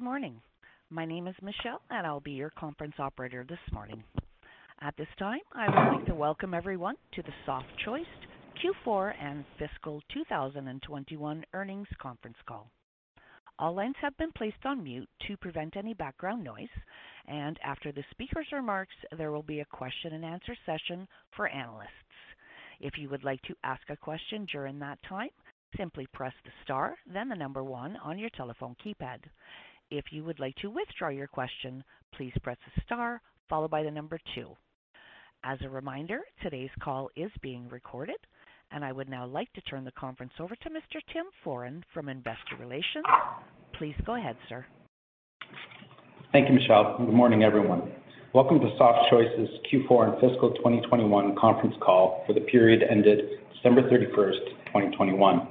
Good morning. My name is Michelle, and I'll be your conference operator this morning. At this time, I would like to welcome everyone to the Softchoice Q4 and Fiscal 2021 Earnings Conference Call. All lines have been placed on mute to prevent any background noise. After the speaker's remarks, there will be a question and answer session for analysts. If you would like to ask a question during that time, simply press the star then the number one on your telephone keypad. If you would like to withdraw your question, please press star followed by the number two. As a reminder, today's call is being recorded. I would now like to turn the conference over to Mr. Tim Foran from Investor Relations. Please go ahead, sir. Thank you, Michelle. Good morning, everyone. Welcome to Softchoice's Q4 and Fiscal 2021 Conference Call for the period ended December 31st, 2021.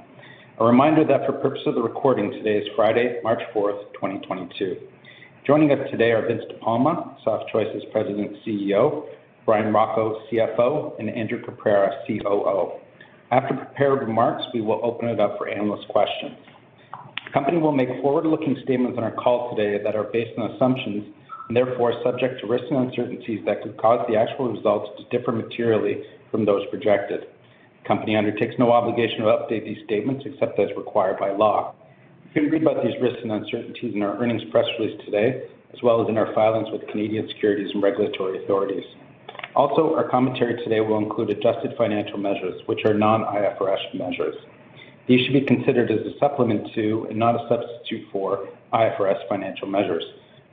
A reminder that for purpose of the recording, today is Friday, March 4th, 2022. Joining us today are Vince De Palma, Softchoice's President and CEO, Bryan Rocco, CFO, and Andrew Caprara, COO. After prepared remarks, we will open it up for analyst questions. Company will make forward-looking statements on our call today that are based on assumptions, and therefore are subject to risks and uncertainties that could cause the actual results to differ materially from those projected. Company undertakes no obligation to update these statements except as required by law. You can read about these risks and uncertainties in our earnings press release today, as well as in our filings with Canadian securities and regulatory authorities. Also, our commentary today will include adjusted financial measures, which are non-IFRS measures. These should be considered as a supplement to and not a substitute for IFRS financial measures.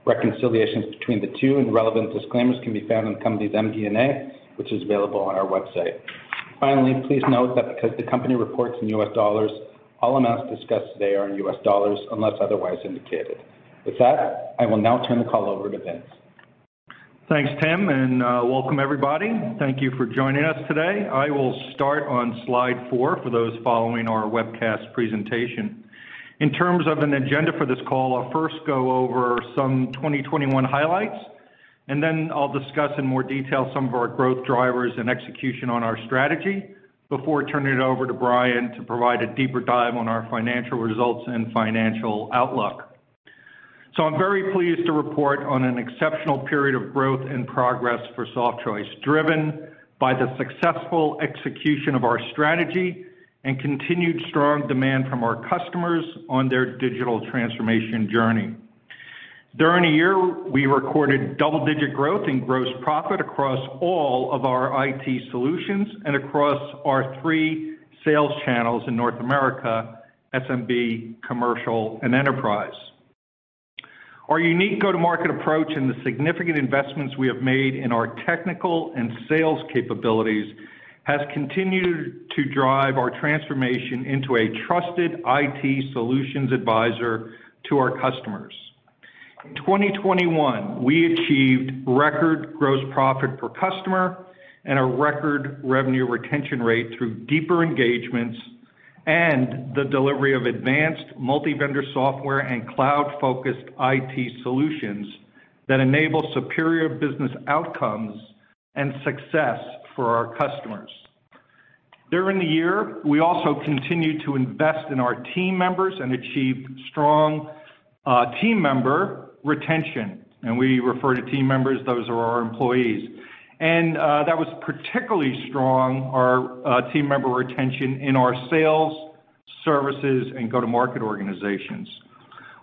Reconciliations between the two and relevant disclaimers can be found in the company's MD&A, which is available on our website. Finally, please note that because the company reports in U.S. dollars, all amounts discussed today are in U.S. dollars unless otherwise indicated. With that, I will now turn the call over to Vince. Thanks, Tim, and welcome everybody. Thank you for joining us today. I will start on slide four for those following our webcast presentation. In terms of an agenda for this call, I'll first go over some 2021 highlights, and then I'll discuss in more detail some of our growth drivers and execution on our strategy before turning it over to Bryan Rocco to provide a deeper dive on our financial results and financial outlook. I'm very pleased to report on an exceptional period of growth and progress for Softchoice, driven by the successful execution of our strategy and continued strong demand from our customers on their digital transformation journey. During the year, we recorded double-digit growth in gross profit across all of our IT solutions and across our three sales channels in North America, SMB, commercial, and enterprise. Our unique go-to-market approach and the significant investments we have made in our technical and sales capabilities has continued to drive our transformation into a trusted IT solutions advisor to our customers. In 2021, we achieved record gross profit per customer and a record revenue retention rate through deeper engagements and the delivery of advanced multi-vendor software and cloud-focused IT solutions that enable superior business outcomes and success for our customers. During the year, we also continued to invest in our team members and achieved strong team member retention. We refer to team members, those are our employees. That was particularly strong, our team member retention in our sales, services, and go-to-market organizations.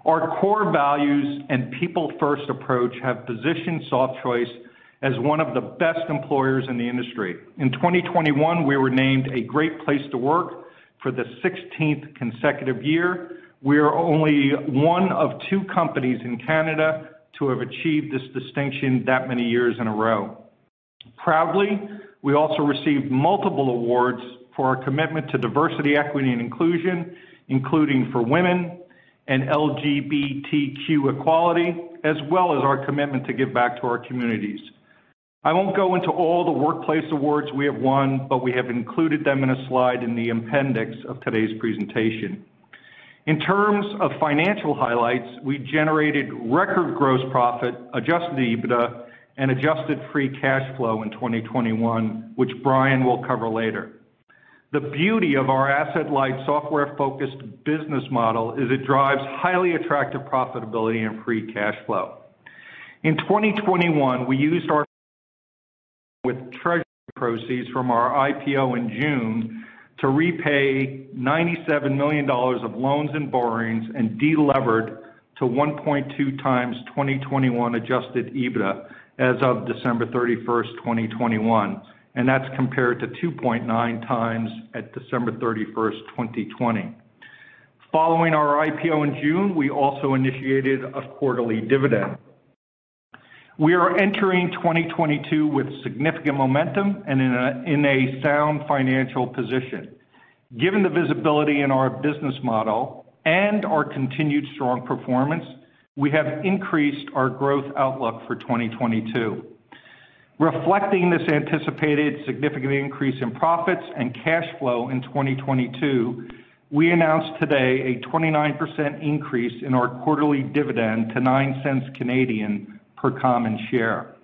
Our core values and people-first approach have positioned Softchoice as one of the best employers in the industry. In 2021, we were named a great place to work for the 16th consecutive year. We are only one of two companies in Canada to have achieved this distinction that many years in a row. Proudly, we also received multiple awards for our commitment to diversity, equity, and inclusion, including for women and LGBTQ equality, as well as our commitment to give back to our communities. I won't go into all the workplace awards we have won, but we have included them in a slide in the appendix of today's presentation. In terms of financial highlights, we generated record gross profit, adjusted EBITDA, and adjusted free cash flow in 2021, which Bryan will cover later. The beauty of our asset-light, software-focused business model is it drives highly attractive profitability and free cash flow. In 2021, we used the treasury proceeds from our IPO in June to repay $97 million of loans and borrowings and delevered to 1.2x 2021 adjusted EBITDA as of December 31st, 2021, and that's compared to 2.9x at December 31st, 2020. Following our IPO in June, we also initiated a quarterly dividend. We are entering 2022 with significant momentum and in a sound financial position. Given the visibility in our business model and our continued strong performance, we have increased our growth outlook for 2022. Reflecting this anticipated significant increase in profits and cash flow in 2022, we announced today a 29% increase in our quarterly dividend to 0.09 per common share.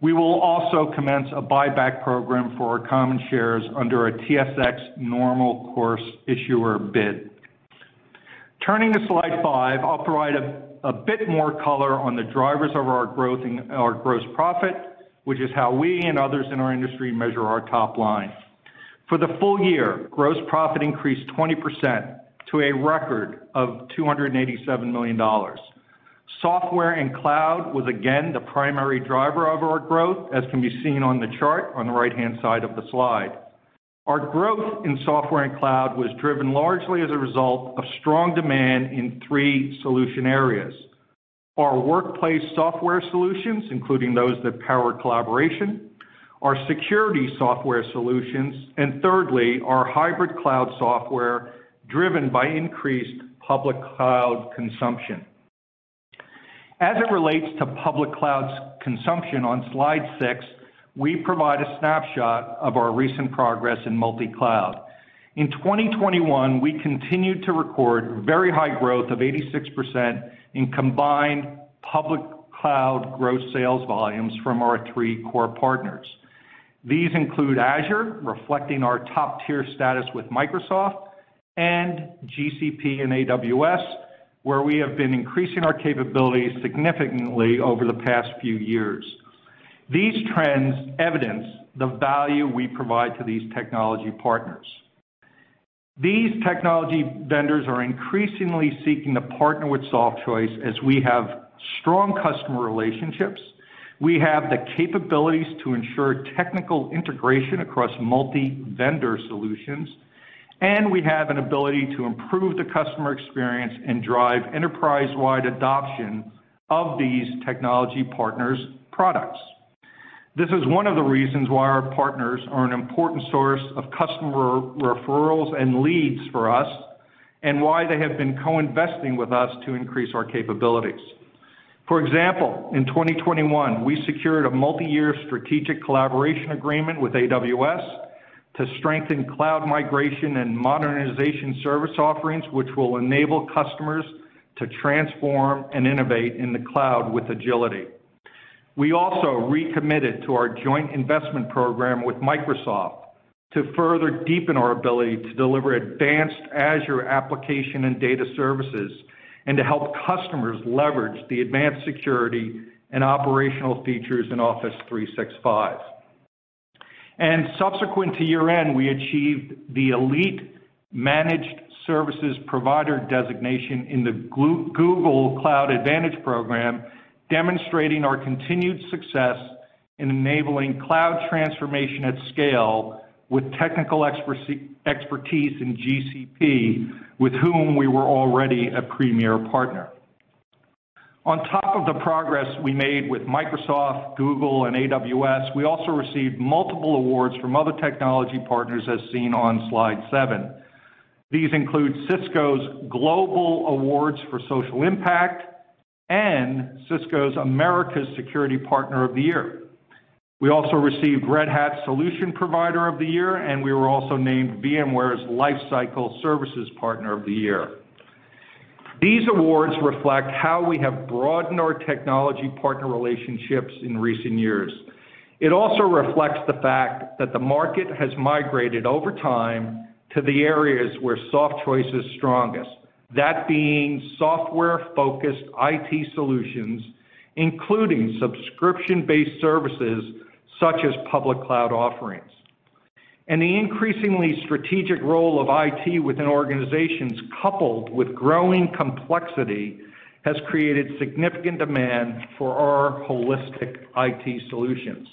We will also commence a buyback program for our common shares under a TSX normal course issuer bid. Turning to slide five, I'll provide a bit more color on the drivers of our growth and our gross profit, which is how we and others in our industry measure our top line. For the full year, gross profit increased 20% to a record of $287 million. Software and cloud was again the primary driver of our growth, as can be seen on the chart on the right-hand side of the slide. Our growth in software and cloud was driven largely as a result of strong demand in three solution areas. Our workplace software solutions, including those that power collaboration, our security software solutions, and thirdly, our hybrid cloud software, driven by increased public cloud consumption. As it relates to public cloud consumption, on slide six, we provide a snapshot of our recent progress in multi-cloud. In 2021, we continued to record very high growth of 86% in combined public cloud gross sales volumes from our three core partners. These include Azure, reflecting our top-tier status with Microsoft, and GCP and AWS, where we have been increasing our capabilities significantly over the past few years. These trends evidence the value we provide to these technology partners. These technology vendors are increasingly seeking to partner with Softchoice as we have strong customer relationships, we have the capabilities to ensure technical integration across multi-vendor solutions, and we have an ability to improve the customer experience and drive enterprise-wide adoption of these technology partners' products. This is one of the reasons why our partners are an important source of customer referrals and leads for us, and why they have been co-investing with us to increase our capabilities. For example, in 2021, we secured a multi-year strategic collaboration agreement with AWS to strengthen cloud migration and modernization service offerings, which will enable customers to transform and innovate in the cloud with agility. We also recommitted to our joint investment program with Microsoft to further deepen our ability to deliver advanced Azure application and data services, and to help customers leverage the advanced security and operational features in Office 365. Subsequent to year-end, we achieved the elite managed services provider designation in the Google Cloud Partner Advantage program, demonstrating our continued success in enabling cloud transformation at scale with technical expertise in GCP, with whom we were already a premier partner. On top of the progress we made with Microsoft, Google, and AWS, we also received multiple awards from other technology partners, as seen on slide seven. These include Cisco's Global Awards for Social Impact and Cisco's Americas Security Partner of the Year. We also received Red Hat Solution Provider of the Year, and we were also named VMware's Lifecycle Services Partner of the Year. These awards reflect how we have broadened our technology partner relationships in recent years. It also reflects the fact that the market has migrated over time to the areas where Softchoice is strongest, that being software-focused IT solutions, including subscription-based services such as public cloud offerings. The increasingly strategic role of IT within organizations, coupled with growing complexity, has created significant demand for our holistic IT solutions.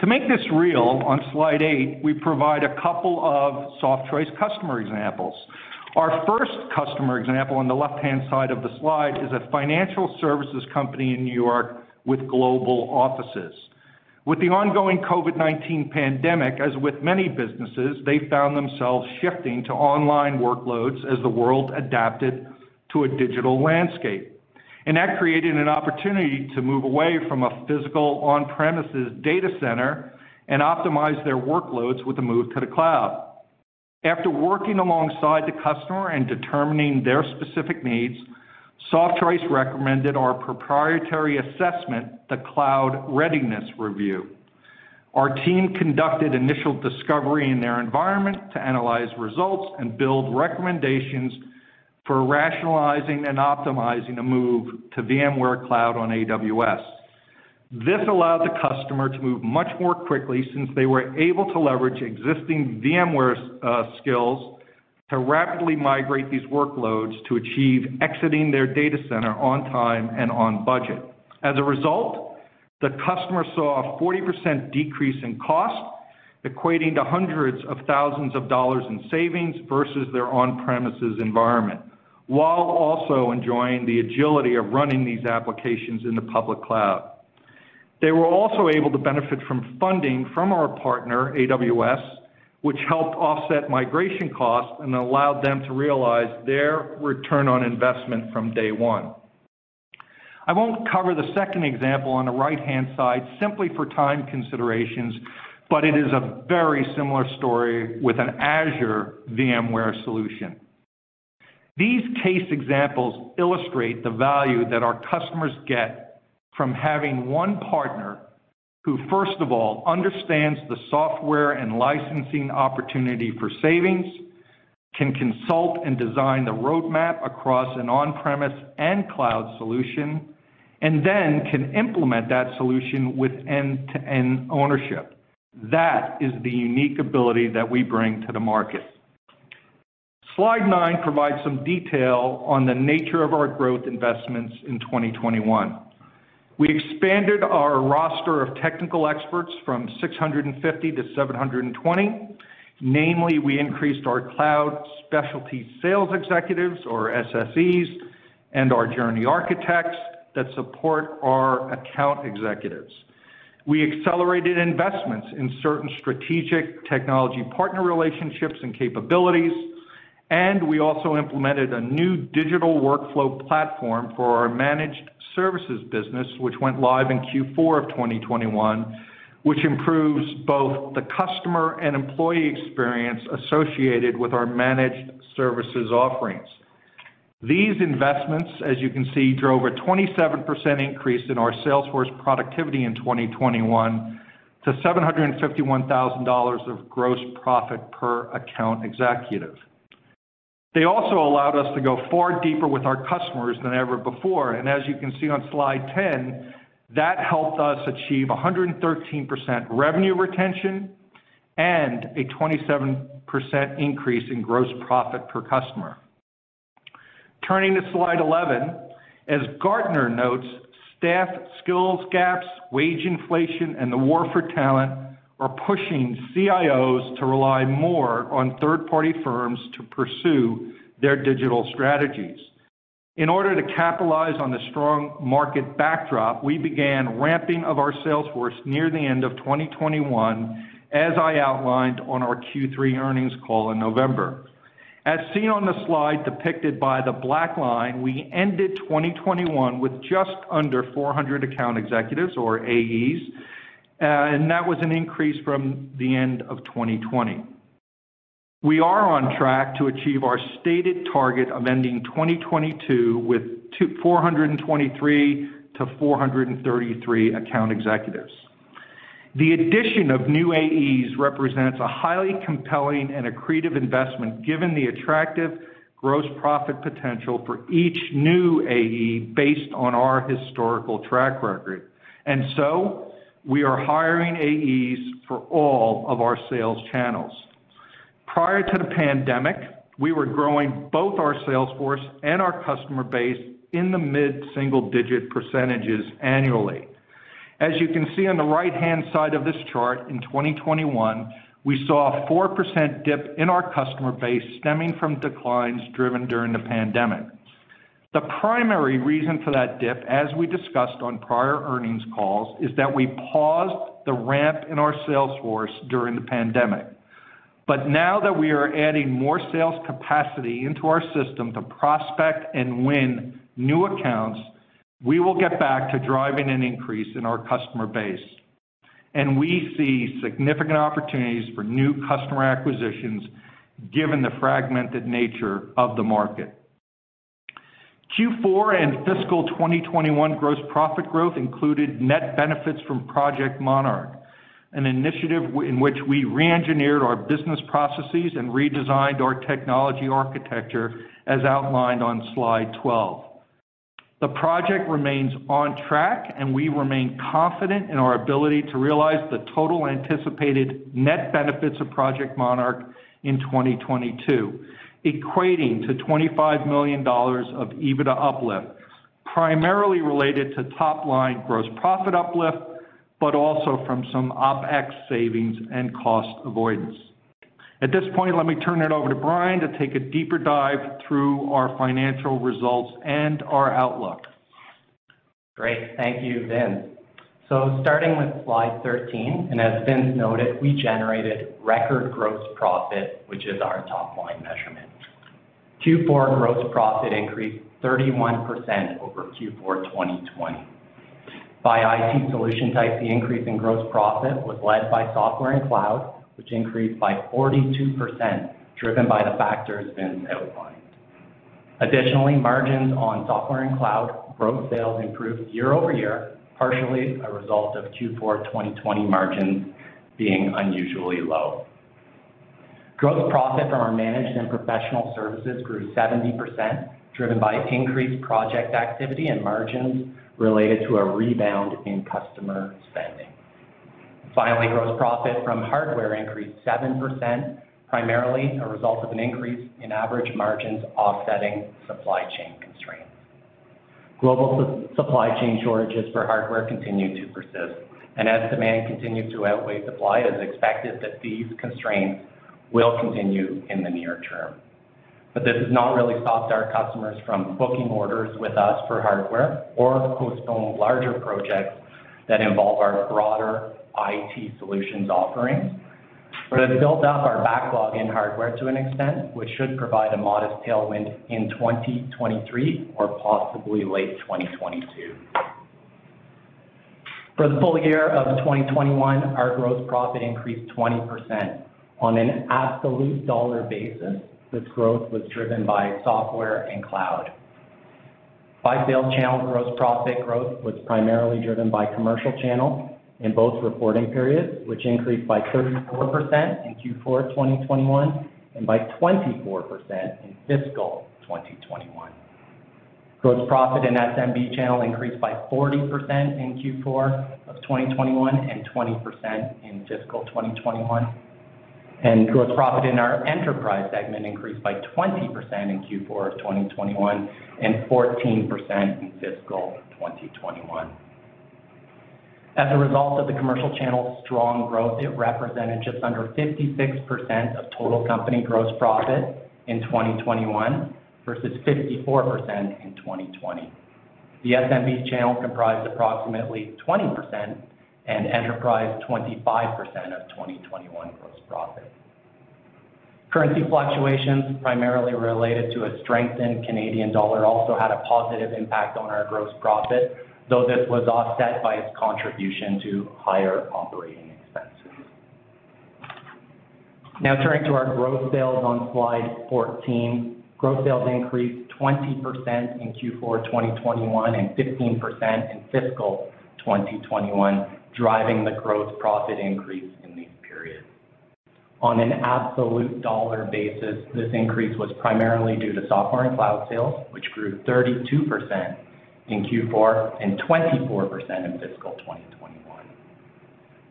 To make this real, on slide eight, we provide a couple of Softchoice customer examples. Our first customer example on the left-hand side of the slide is a financial services company in New York with global offices. With the ongoing COVID-19 pandemic, as with many businesses, they found themselves shifting to online workloads as the world adapted to a digital landscape. That created an opportunity to move away from a physical on-premises data center and optimize their workloads with a move to the cloud. After working alongside the customer and determining their specific needs, Softchoice recommended our proprietary assessment, the Cloud Readiness Review. Our team conducted initial discovery in their environment to analyze results and build recommendations for rationalizing and optimizing a move to VMware Cloud on AWS. This allowed the customer to move much more quickly since they were able to leverage existing VMware skills to rapidly migrate these workloads to achieve exiting their data center on time and on budget. As a result, the customer saw a 40% decrease in cost, equating to $hundreds of thousands in savings vs their on-premises environment, while also enjoying the agility of running these applications in the public cloud. They were also able to benefit from funding from our partner, AWS, which helped offset migration costs and allowed them to realize their return on investment from day one. I won't cover the second example on the right-hand side simply for time considerations, but it is a very similar story with an Azure VMware Solution. These case examples illustrate the value that our customers get from having one partner who first of all understands the software and licensing opportunity for savings, can consult and design the roadmap across an on-premises and cloud solution, and then can implement that solution with end-to-end ownership. That is the unique ability that we bring to the market. Slide nine provides some detail on the nature of our growth investments in 2021. We expanded our roster of technical experts from 650-720. Namely, we increased our cloud specialty sales executives or SSEs and our journey architects that support our account executives. We accelerated investments in certain strategic technology partner relationships and capabilities, and we also implemented a new digital workflow platform for our managed services business, which went live in Q4 of 2021, which improves both the customer and employee experience associated with our managed services offerings. These investments, as you can see, drove a 27% increase in our sales force productivity in 2021 to $751,000 of gross profit per account executive. They also allowed us to go far deeper with our customers than ever before, and as you can see on slide 10, that helped us achieve 113% revenue retention and a 27% increase in gross profit per customer. Turning to slide 11, as Gartner notes, staff skills gaps, wage inflation, and the war for talent are pushing CIOs to rely more on third-party firms to pursue their digital strategies. In order to capitalize on the strong market backdrop, we began ramping of our sales force near the end of 2021, as I outlined on our Q3 earnings call in November. As seen on the slide depicted by the black line, we ended 2021 with just under 400 account executives or AEs, and that was an increase from the end of 2020. We are on track to achieve our stated target of ending 2022 with 423-433 account executives. The addition of new AEs represents a highly compelling and accretive investment given the attractive gross profit potential for each new AE based on our historical track record. We are hiring AEs for all of our sales channels. Prior to the pandemic, we were growing both our sales force and our customer base in the mid-single-digit percentages annually. As you can see on the right-hand side of this chart, in 2021, we saw a 4% dip in our customer base stemming from declines driven during the pandemic. The primary reason for that dip, as we discussed on prior earnings calls, is that we paused the ramp in our sales force during the pandemic, but now that we are adding more sales capacity into our system to prospect and win new accounts, we will get back to driving an increase in our customer base. We see significant opportunities for new customer acquisitions given the fragmented nature of the market. Q4 and fiscal 2021 gross profit growth included net benefits from Project Monarch, an initiative in which we re-engineered our business processes and redesigned our technology architecture as outlined on slide 12. The project remains on track, and we remain confident in our ability to realize the total anticipated net benefits of Project Monarch in 2022, equating to $25 million of EBITDA uplift, primarily related to top-line gross profit uplift, but also from some OpEx savings and cost avoidance. At this point, let me turn it over to Bryan to take a deeper dive through our financial results and our outlook. Great. Thank you, Vince. Starting with slide 13, and as Vince noted, we generated record gross profit, which is our top-line measurement. Q4 gross profit increased 31% over Q4 2020. By IT solution type, the increase in gross profit was led by software and cloud, which increased by 42%, driven by the factors Vince outlined. Additionally, margins on software and cloud gross sales improved year-over-year, partially a result of Q4 2020 margins being unusually low. Gross profit from our managed and professional services grew 70%, driven by increased project activity and margins related to a rebound in customer spending. Finally, gross profit from hardware increased 7%, primarily a result of an increase in average margins offsetting supply chain constraints. Global supply chain shortages for hardware continued to persist. As demand continues to outweigh supply, it is expected that these constraints will continue in the near term. This has not really stopped our customers from booking orders with us for hardware or postponed larger projects that involve our broader IT solutions offerings. It built up our backlog in hardware to an extent, which should provide a modest tailwind in 2023 or possibly late 2022. For the full year of 2021, our gross profit increased 20%. On an absolute dollar basis, this growth was driven by software and cloud. By sales channel, gross profit growth was primarily driven by commercial channel in both reporting periods, which increased by 34% in Q4 2021 and by 24% in fiscal 2021. Gross profit in SMB channel increased by 40% in Q4 of 2021 and 20% in fiscal 2021. Gross profit in our enterprise segment increased by 20% in Q4 of 2021 and 14% in fiscal 2021. As a result of the commercial channel's strong growth, it represented just under 56% of total company gross profit in 2021 vs 54% in 2020. The SMB channel comprised approximately 20% and enterprise 25% of 2021 gross profit. Currency fluctuations primarily related to a strengthened Canadian dollar also had a positive impact on our gross profit, though this was offset by its contribution to higher operating expenses. Now turning to our growth sales on slide 14. Growth sales increased 20% in Q4 2021 and 15% in fiscal 2021, driving the growth profit increase in these periods. On an absolute dollar basis, this increase was primarily due to software and cloud sales, which grew 32% in Q4 and 24% in fiscal 2021.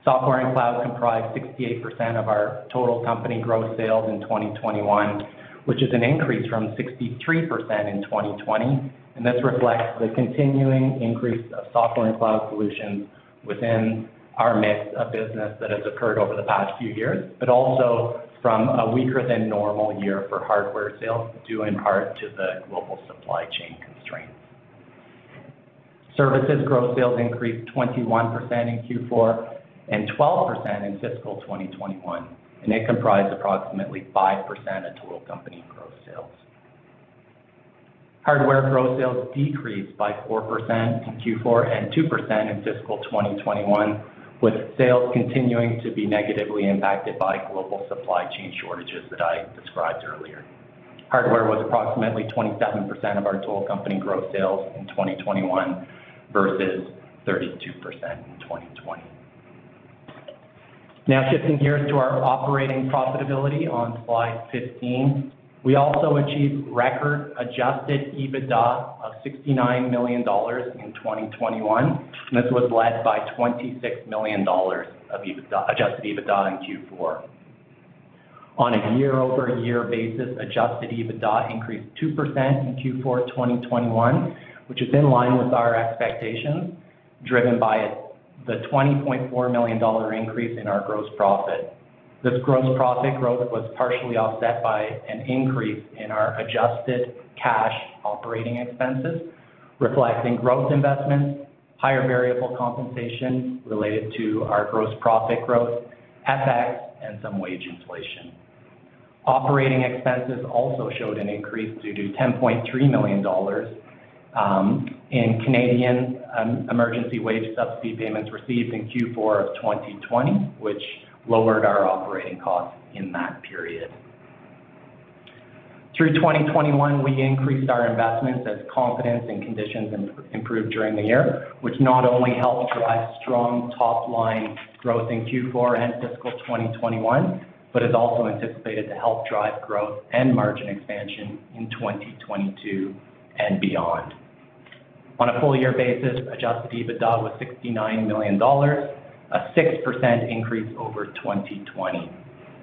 Software and cloud comprised 68% of our total company growth sales in 2021, which is an increase from 63% in 2020, and this reflects the continuing increase of software and cloud solutions within our mix of business that has occurred over the past few years, but also from a weaker than normal year for hardware sales, due in part to the global supply chain constraints. Services growth sales increased 21% in Q4 and 12% in fiscal 2021, and it comprised approximately 5% of total company growth sales. Hardware growth sales decreased by 4% in Q4 and 2% in fiscal 2021, with sales continuing to be negatively impacted by global supply chain shortages that I described earlier. Hardware was approximately 27% of our total company growth sales in 2021 vs 32% in 2020. Now shifting gears to our operating profitability on slide 15. We also achieved record adjusted EBITDA of $69 million in 2021, and this was led by $26 million of EBITDA, adjusted EBITDA in Q4. On a year-over-year basis, adjusted EBITDA increased 2% in Q4 2021, which is in line with our expectations, driven by the $20.4 million increase in our gross profit. This gross profit growth was partially offset by an increase in our adjusted cash operating expenses, reflecting growth investments, higher variable compensation related to our gross profit growth, FX, and some wage inflation. Operating expenses also showed an increase due to 10.3 million dollars in Canada Emergency Wage Subsidy payments received in Q4 of 2020, which lowered our operating costs in that period. Through 2021, we increased our investments as confidence and conditions improved during the year, which not only helped drive strong top-line growth in Q4 and fiscal 2021, but is also anticipated to help drive growth and margin expansion in 2022 and beyond. On a full year basis, adjusted EBITDA was 69 million dollars, a 6% increase over 2020.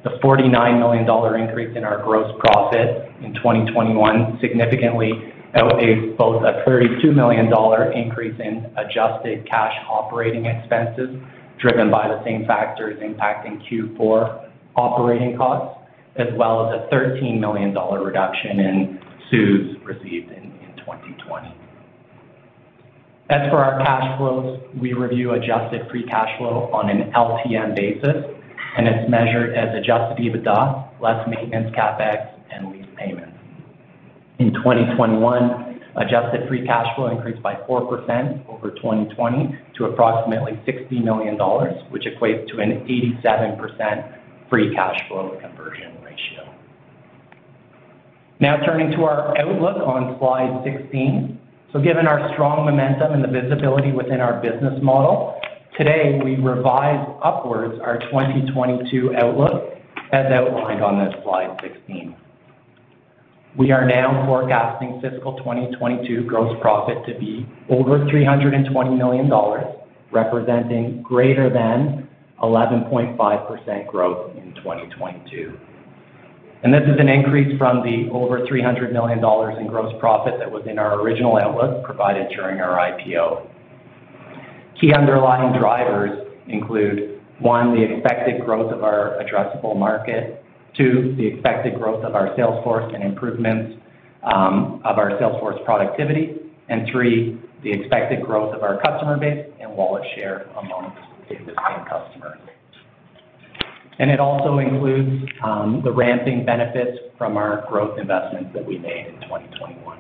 The $49 million increase in our gross profit in 2021 significantly outweighs both a $32 million increase in adjusted cash operating expenses, driven by the same factors impacting Q4 operating costs, as well as a $13 million reduction in CEWS received in 2020. As for our cash flows, we review adjusted free cash flow on an LTM basis, and it's measured as adjusted EBITDA, less maintenance CapEx, and lease payments. In 2021, adjusted free cash flow increased by 4% over 2020 to approximately $60 million, which equates to an 87% free cash flow conversion ratio. Now turning to our outlook on slide 16. Given our strong momentum and the visibility within our business model, today we revise upwards our 2022 outlook as outlined on this slide 16. We are now forecasting fiscal 2022 gross profit to be over $320 million, representing greater than 11.5% growth in 2022. This is an increase from the over $300 million in gross profit that was in our original outlook provided during our IPO. Key underlying drivers include, one, the expected growth of our addressable market, two, the expected growth of our sales force and improvements of our sales force productivity, and three, the expected growth of our customer base and wallet share among existing customers. It also includes the ramping benefits from our growth investments that we made in 2021.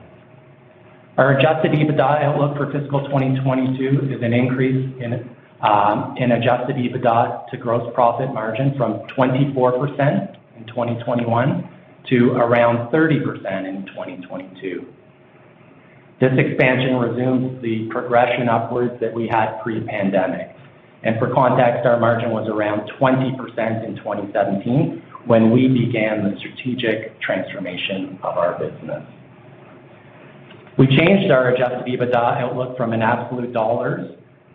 Our Adjusted EBITDA outlook for fiscal 2022 is an increase in Adjusted EBITDA to gross profit margin from 24% in 2021 to around 30% in 2022. This expansion resumes the progression upwards that we had pre-pandemic. For context, our margin was around 20% in 2017 when we began the strategic transformation of our business. We changed our adjusted EBITDA outlook from an absolute dollars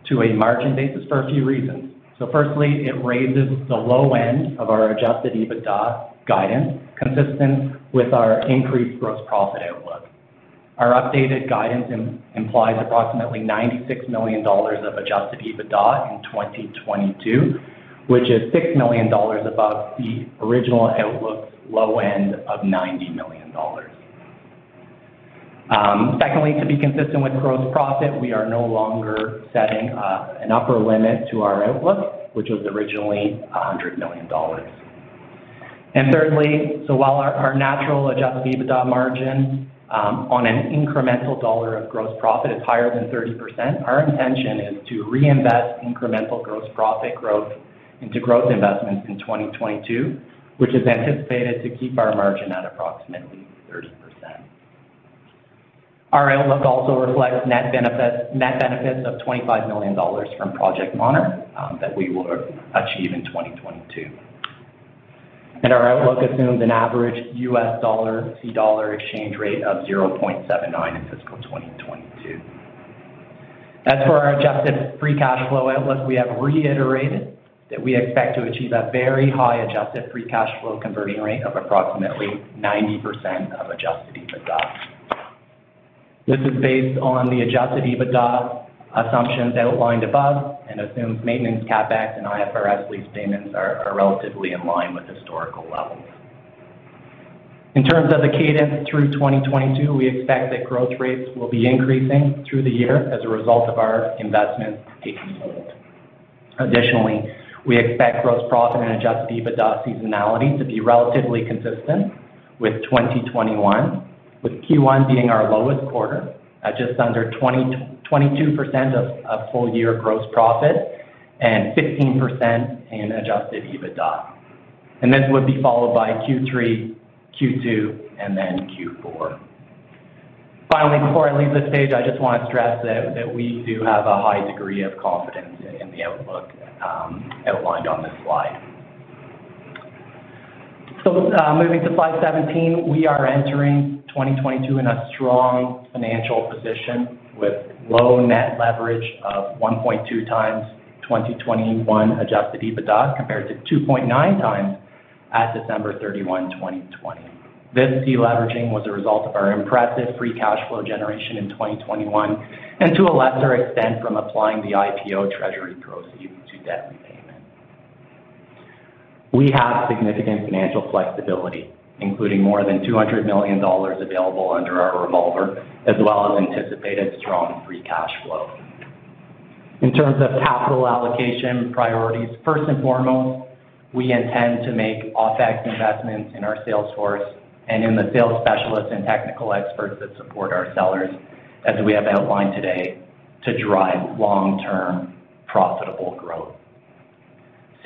to a margin basis for a few reasons. Firstly, it raises the low end of our adjusted EBITDA guidance consistent with our increased gross profit outlook. Our updated guidance implies approximately $96 million of adjusted EBITDA in 2022, which is $6 million above the original outlook's low end of $90 million. Secondly, to be consistent with gross profit, we are no longer setting an upper limit to our outlook, which was originally $100 million. Thirdly, while our natural adjusted EBITDA margin on an incremental dollar of gross profit is higher than 30%, our intention is to reinvest incremental gross profit growth into growth investments in 2022, which is anticipated to keep our margin at approximately 30%. Our outlook also reflects net benefits of $25 million from Project Monarch that we will achieve in 2022. Our outlook assumes an average U.S. dollar-CAD exchange rate of 0.79 in fiscal 2022. As for our adjusted free cash flow outlook, we have reiterated that we expect to achieve a very high adjusted free cash flow converting rate of approximately 90% of adjusted EBITDA. This is based on the adjusted EBITDA assumptions outlined above and assumes maintenance CapEx and IFRS lease payments are relatively in line with historical levels. In terms of the cadence through 2022, we expect that growth rates will be increasing through the year as a result of our investment taking hold. Additionally, we expect gross profit and adjusted EBITDA seasonality to be relatively consistent with 2021, with Q1 being our lowest quarter at just under 22% of full year gross profit and 15% in adjusted EBITDA. This would be followed by Q3, Q2, and then Q4. Finally, before I leave this page, I just want to stress that we do have a high degree of confidence in the outlook outlined on this slide. Moving to slide 17, we are entering 2022 in a strong financial position with low net leverage of 1.2x 2021 adjusted EBITDA compared to 2.9x at December 31, 2020. This deleveraging was a result of our impressive free cash flow generation in 2021, and to a lesser extent, from applying the IPO treasury proceeds to debt repayment. We have significant financial flexibility, including more than $200 million available under our revolver, as well as anticipated strong free cash flow. In terms of capital allocation priorities, first and foremost, we intend to make OpEx investments in our sales force and in the sales specialists and technical experts that support our sellers, as we have outlined today, to drive long-term profitable growth.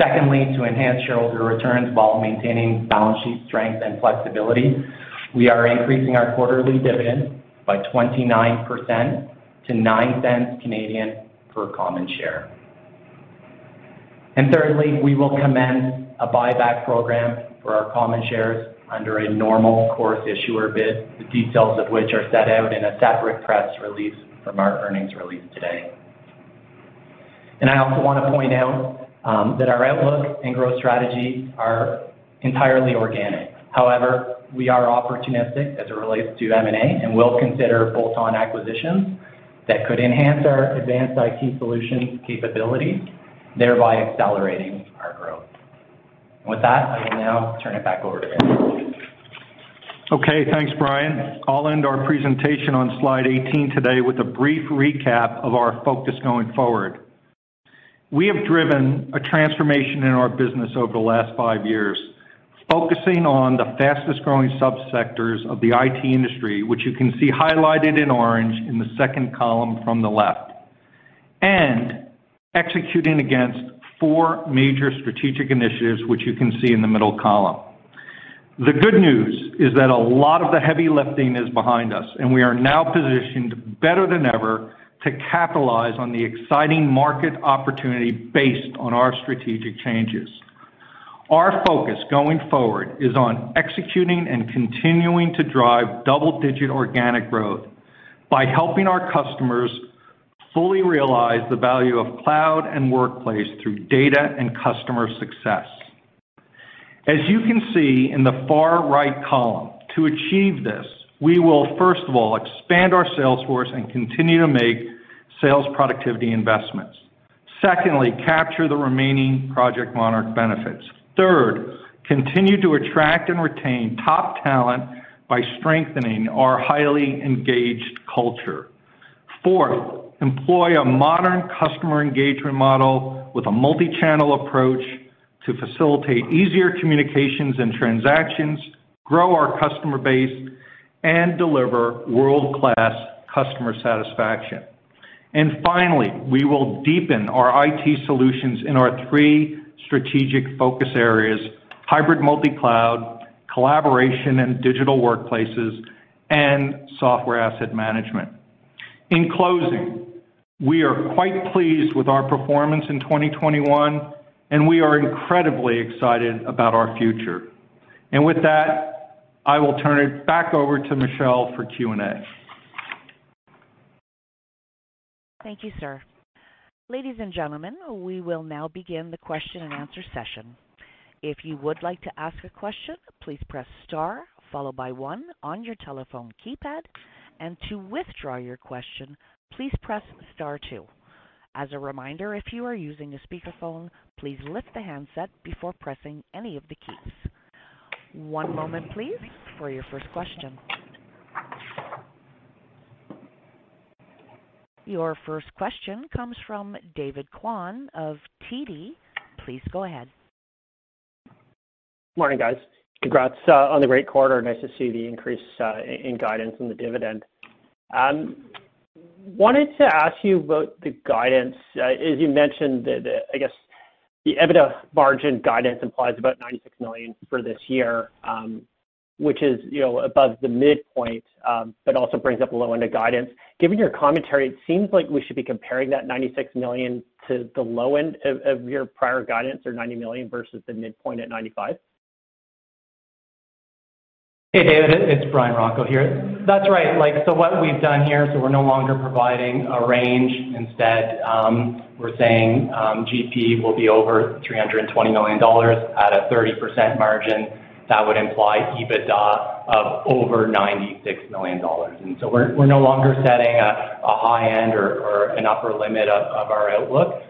Secondly, to enhance shareholder returns while maintaining balance sheet strength and flexibility, we are increasing our quarterly dividend by 29% to 0.09 per common share. Thirdly, we will commence a buyback program for our common shares under a normal course issuer bid, the details of which are set out in a separate press release from our earnings release today. I also want to point out that our outlook and growth strategy are entirely organic. However, we are opportunistic as it relates to M&A, and will consider bolt-on acquisitions that could enhance our advanced IT solution capability, thereby accelerating our growth. With that, I will now turn it back over to Andrew. Okay, thanks, Bryan. I'll end our presentation on slide 18 today with a brief recap of our focus going forward. We have driven a transformation in our business over the last five years, focusing on the fastest-growing sub-sectors of the IT industry, which you can see highlighted in orange in the second column from the left, and executing against four major strategic initiatives, which you can see in the middle column. The good news is that a lot of the heavy lifting is behind us, and we are now positioned better than ever to capitalize on the exciting market opportunity based on our strategic changes. Our focus going forward is on executing and continuing to drive double-digit organic growth by helping our customers fully realize the value of cloud and workplace through data and customer success. As you can see in the far right column, to achieve this, we will, first of all, expand our sales force and continue to make sales productivity investments. Secondly, capture the remaining Project Monarch benefits. Third, continue to attract and retain top talent by strengthening our highly engaged culture. Fourth, employ a modern customer engagement model with a multi-channel approach to facilitate easier communications and transactions, grow our customer base, and deliver world-class customer satisfaction. Finally, we will deepen our IT solutions in our three strategic focus areas, hybrid multi-cloud, collaboration and digital workplaces, and software asset management. In closing, we are quite pleased with our performance in 2021, and we are incredibly excited about our future. With that, I will turn it back over to Michelle for Q&A. Thank you, sir. Ladies and gentlemen, we will now begin the question and answer session. If you would like to ask a question, please press star followed by one on your telephone keypad. To withdraw your question, please press star two. As a reminder, if you are using a speakerphone, please lift the handset before pressing any of the keys. One moment please for your first question. Your first question comes from David Kwan of TD. Please go ahead. Morning, guys. Congrats on the great quarter. Nice to see the increase in guidance and the dividend. Wanted to ask you about the guidance. As you mentioned, I guess the EBITDA margin guidance implies about $96 million for this year, which is, you know, above the midpoint, but also brings up a low end of guidance. Given your commentary, it seems like we should be comparing that $96 million to the low end of your prior guidance or $90 million vs the midpoint at 95. Hey, David, it's Bryan Rocco here. That's right. Like, what we've done here is we're no longer providing a range. Instead, we're saying GP will be over $320 million at a 30% margin. That would imply EBITDA of over $96 million. We're no longer setting a high end or an upper limit of our outlook.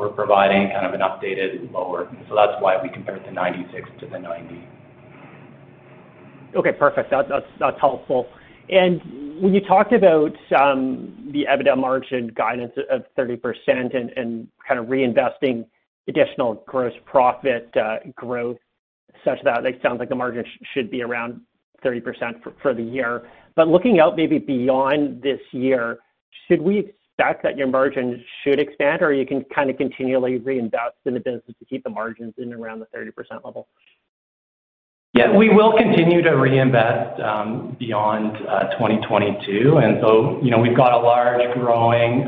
We're providing kind of an updated lower. That's why we compare it to $96 to the $90. Okay, perfect. That's helpful. When you talked about the EBITDA margin guidance of 30% and kind of reinvesting additional gross profit growth such that it sounds like the margin should be around 30% for the year. But looking out maybe beyond this year, should we expect that your margins should expand or you can kind of continually reinvest in the business to keep the margins in around the 30% level? Yeah. We will continue to reinvest beyond 2022. You know, we've got a large growing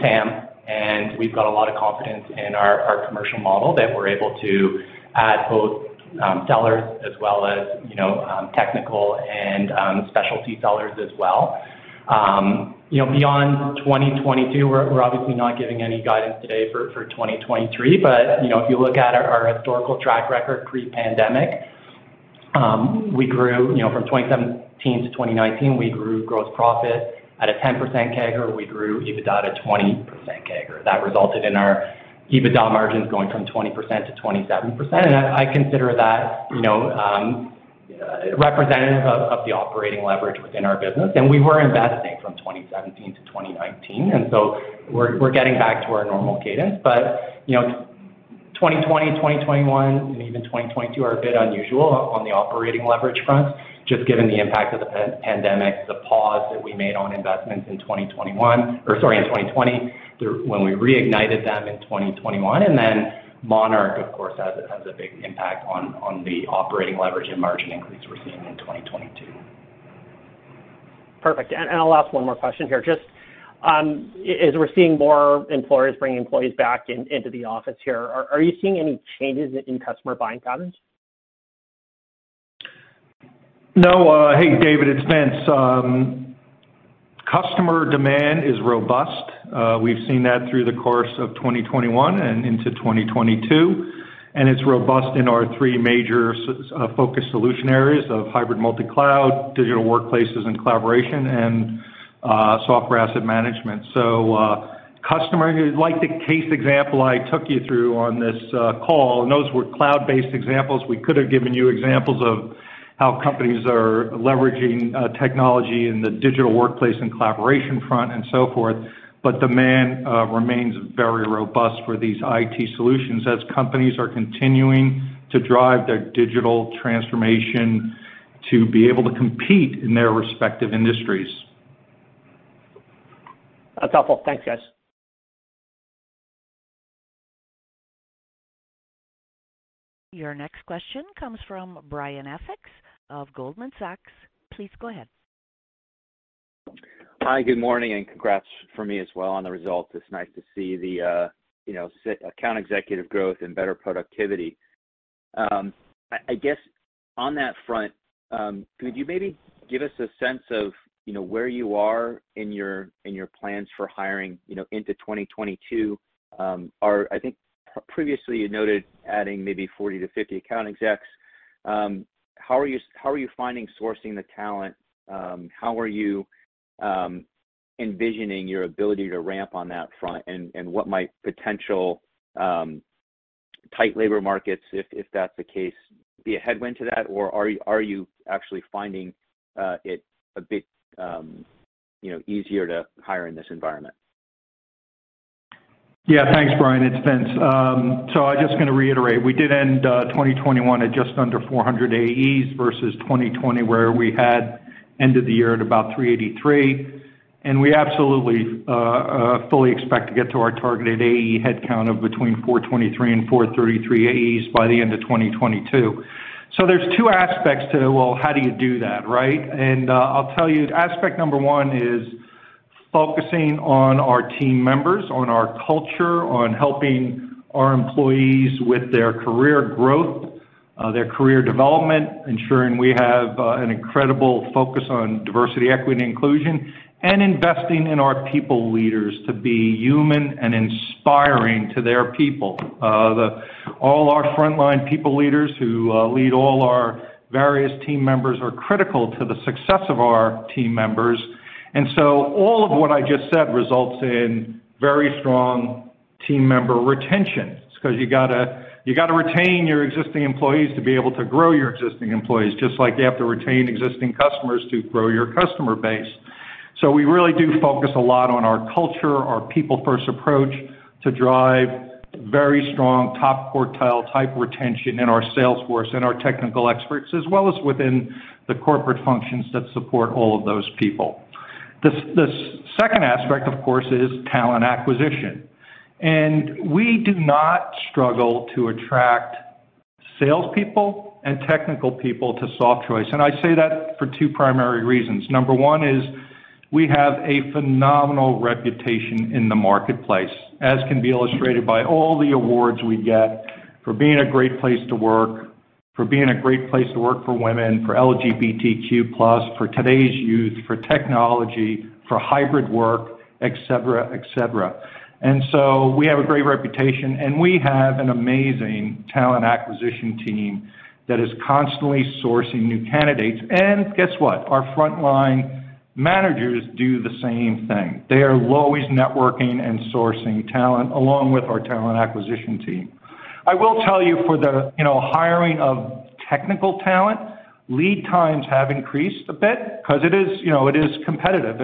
TAM, and we've got a lot of confidence in our commercial model that we're able to add both sellers as well as, you know, technical and specialty sellers as well. You know, beyond 2022, we're obviously not giving any guidance today for 2023. You know, if you look at our historical track record pre-pandemic, we grew, you know, from 2017-2019, we grew gross profit at a 10% CAGR. We grew EBITDA at 20% CAGR. That resulted in our EBITDA margins going from 20%-27%. I consider that, you know, representative of the operating leverage within our business. We were investing from 20172019, and so we're getting back to our normal cadence. You know, 2020, 2021, and even 2022 are a bit unusual on the operating leverage front, just given the impact of the pandemic, the pause that we made on investments in 2021 or sorry, in 2020, when we reignited them in 2021. Then Monarch, of course, has a big impact on the operating leverage and margin increase we're seeing in 2022. Perfect. I'll ask one more question here. Just, as we're seeing more employers bringing employees back into the office here, are you seeing any changes in customer buying patterns? No. Hey, David, it's Vince. Customer demand is robust. We've seen that through the course of 2021 and into 2022, and it's robust in our three major focus solution areas of hybrid multi-cloud, digital workplaces and collaboration, and software asset management. Customer, like the case example I took you through on this call, and those were cloud-based examples. We could have given you examples of how companies are leveraging technology in the digital workplace and collaboration front and so forth. Demand remains very robust for these IT solutions as companies are continuing to drive their digital transformation to be able to compete in their respective industries. That's helpful. Thanks, guys. Your next question comes from Brian Essex of Goldman Sachs. Please go ahead. Hi, good morning and congrats from me as well on the results. It's nice to see the, you know, account executive growth and better productivity. I guess on that front, could you maybe give us a sense of, you know, where you are in your plans for hiring, you know, into 2022? Or I think previously you noted adding maybe 40-50 account execs. How are you finding sourcing the talent? How are you envisioning your ability to ramp on that front? What might potential tight labor markets, if that's the case, be a headwind to that? Or are you actually finding it a bit, you know, easier to hire in this environment? Yeah. Thanks, Bryan. It's Vince. I'm just gonna reiterate. We did end 2021 at just under 400 AEs vs 2020, where we had ended the year at about 383. We absolutely fully expect to get to our targeted AE headcount of between 423 and 433 AEs by the end of 2022. There's two aspects to, well, how do you do that, right? I'll tell you, aspect number one is focusing on our team members, on our culture, on helping our employees with their career growth, their career development, ensuring we have an incredible focus on diversity, equity, and inclusion, and investing in our people leaders to be human and inspiring to their people. All our frontline people leaders who lead all our various team members are critical to the success of our team members. All of what I just said results in very strong team member retention. It's 'cause you gotta retain your existing employees to be able to grow your existing employees, just like you have to retain existing customers to grow your customer base. We really do focus a lot on our culture, our people-first approach to drive very strong top quartile type retention in our sales force and our technical experts, as well as within the corporate functions that support all of those people. The second aspect, of course, is talent acquisition. We do not struggle to attract salespeople and technical people to Softchoice. I say that for two primary reasons. Number one is we have a phenomenal reputation in the marketplace, as can be illustrated by all the awards we get for being a great place to work, for being a great place to work for women, for LGBTQ plus, for today's youth, for technology, for hybrid work, et cetera, et cetera. We have a great reputation, and we have an amazing talent acquisition team that is constantly sourcing new candidates. Guess what? Our frontline managers do the same thing. They are always networking and sourcing talent along with our talent acquisition team. I will tell you for the, you know, hiring of technical talent, lead times have increased a bit 'cause it is, you know, it is competitive.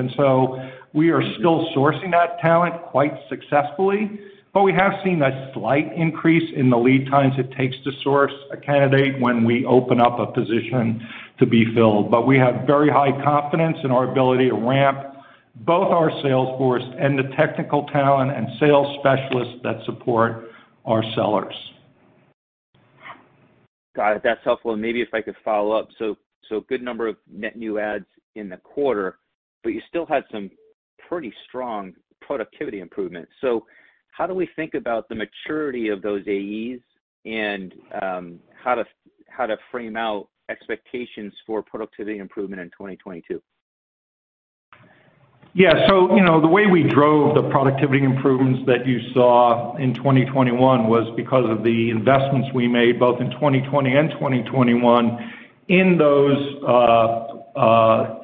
We are still sourcing that talent quite successfully, but we have seen a slight increase in the lead times it takes to source a candidate when we open up a position to be filled. We have very high confidence in our ability to ramp both our sales force and the technical talent and sales specialists that support our sellers. Got it. That's helpful. Maybe if I could follow up. Good number of net new ads in the quarter, but you still had some pretty strong productivity improvements. How do we think about the maturity of those AEs and how to frame out expectations for productivity improvement in 2022? Yeah. You know, the way we drove the productivity improvements that you saw in 2021 was because of the investments we made both in 2020 and 2021 in those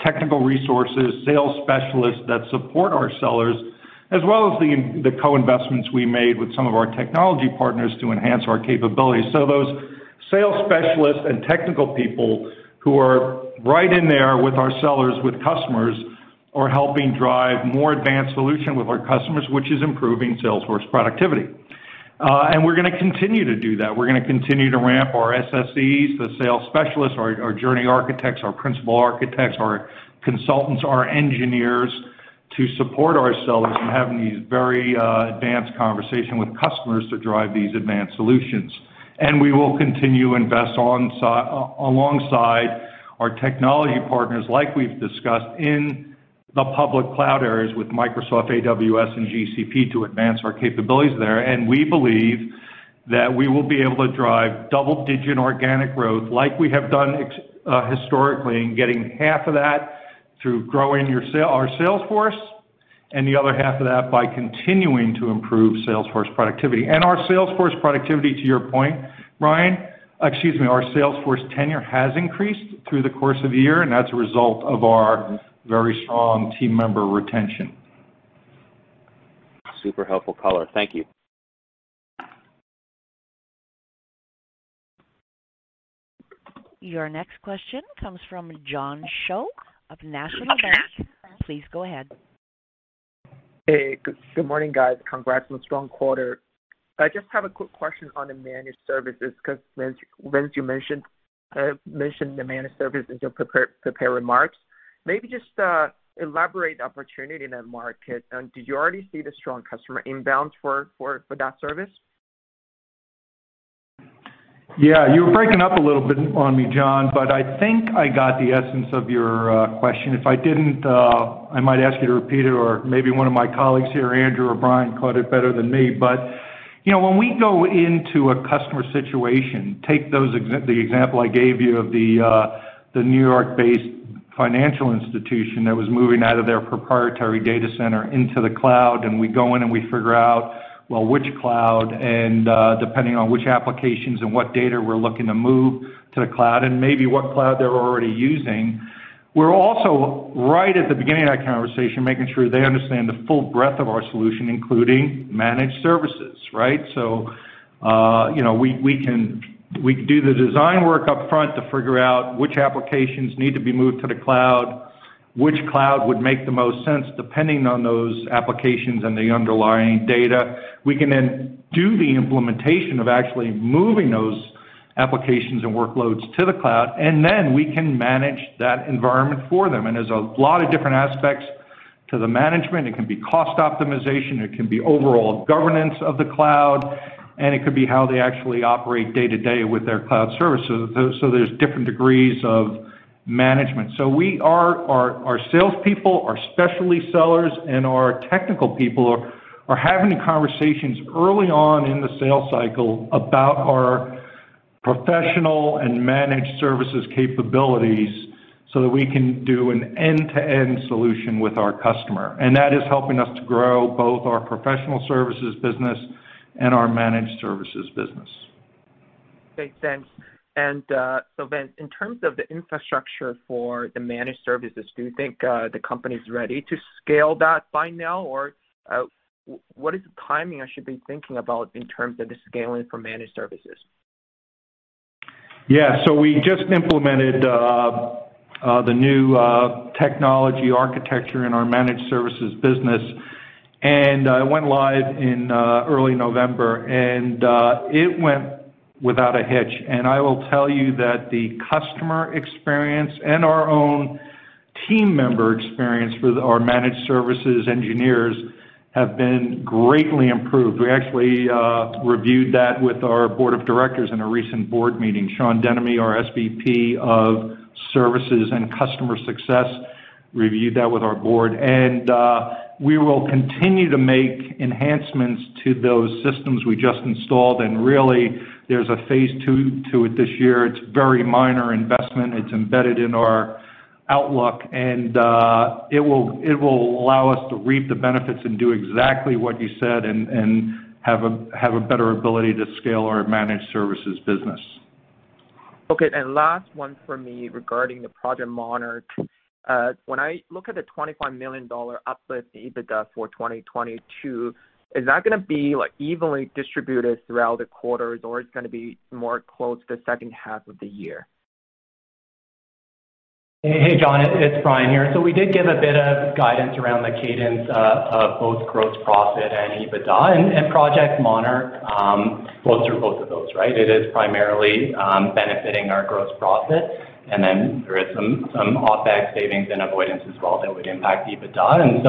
technical resources, sales specialists that support our sellers, as well as the co-investments we made with some of our technology partners to enhance our capabilities. Those sales specialists and technical people who are right in there with our sellers, with customers, are helping drive more advanced solution with our customers, which is improving sales force productivity. We're gonna continue to do that. We're gonna continue to ramp our SSEs, the sales specialists, our journey architects, our principal architects, our consultants, our engineers to support our sellers in having these very advanced conversation with customers to drive these advanced solutions. We will continue to invest alongside our technology partners, like we've discussed, in the public cloud areas with Microsoft, AWS, and GCP to advance our capabilities there. We believe that we will be able to drive double-digit organic growth like we have done historically, and getting half of that through growing our sales force, and the other half of that by continuing to improve sales force productivity. Our sales force productivity to your point, Brian. Excuse me, our sales force tenure has increased through the course of the year, and that's a result of our very strong team member retention. Super helpful color. Thank you. Your next question comes from John Shao of National Bank. Please go ahead. Hey, good morning, guys. Congrats on a strong quarter. I just have a quick question on the managed services, 'cause Vince, you mentioned the managed services in your prepared remarks. Maybe just elaborate the opportunity in that market. Did you already see the strong customer inbounds for that service? Yeah. You were breaking up a little bit on me, John, but I think I got the essence of your question. If I didn't, I might ask you to repeat it or maybe one of my colleagues here, Andrew or Bryan, caught it better than me. You know, when we go into a customer situation, the example I gave you of the New York-based financial institution that was moving out of their proprietary data center into the cloud, and we go in and we figure out, well, which cloud, and depending on which applications and what data we're looking to move to the cloud and maybe what cloud they're already using. We're also right at the beginning of that conversation, making sure they understand the full breadth of our solution, including managed services, right? You know, we do the design work up front to figure out which applications need to be moved to the cloud, which cloud would make the most sense depending on those applications and the underlying data. We can then do the implementation of actually moving those applications and workloads to the cloud, and then we can manage that environment for them. There's a lot of different aspects to the management. It can be cost optimization, it can be overall governance of the cloud, and it could be how they actually operate day-to-day with their cloud services. There's different degrees of management. Our salespeople, our specialty sellers, and our technical people are having conversations early on in the sales cycle about our professional and managed services capabilities so that we can do an end-to-end solution with our customer. That is helping us to grow both our professional services business and our managed services business. Okay, thanks. In terms of the infrastructure for the managed services, do you think the company's ready to scale that by now? Or, what is the timing I should be thinking about in terms of the scaling for managed services? Yeah. We just implemented the new technology architecture in our managed services business, and it went live in early November, and it went without a hitch. I will tell you that the customer experience and our own team member experience with our managed services engineers have been greatly improved. We actually reviewed that with our board of directors in a recent board meeting. Sean Denomey, our SVP of Services and Customer Success, reviewed that with our board. We will continue to make enhancements to those systems we just installed. Really, there's a phase two to it this year. It's very minor investment. It's embedded in our outlook, and it will allow us to reap the benefits and do exactly what you said and have a better ability to scale our managed services business. Okay. Last one for me regarding the Project Monarch. When I look at the $25 million uplift in EBITDA for 2022, is that gonna be, like, evenly distributed throughout the quarters or it's gonna be more close to the second half of the year? Hey, John, it's Bryan here. We did give a bit of guidance around the cadence of both gross profit and EBITDA, and Project Monarch flows through both of those, right? It is primarily benefiting our gross profit. Then there is some OpEx savings and avoidance as well that would impact EBITDA.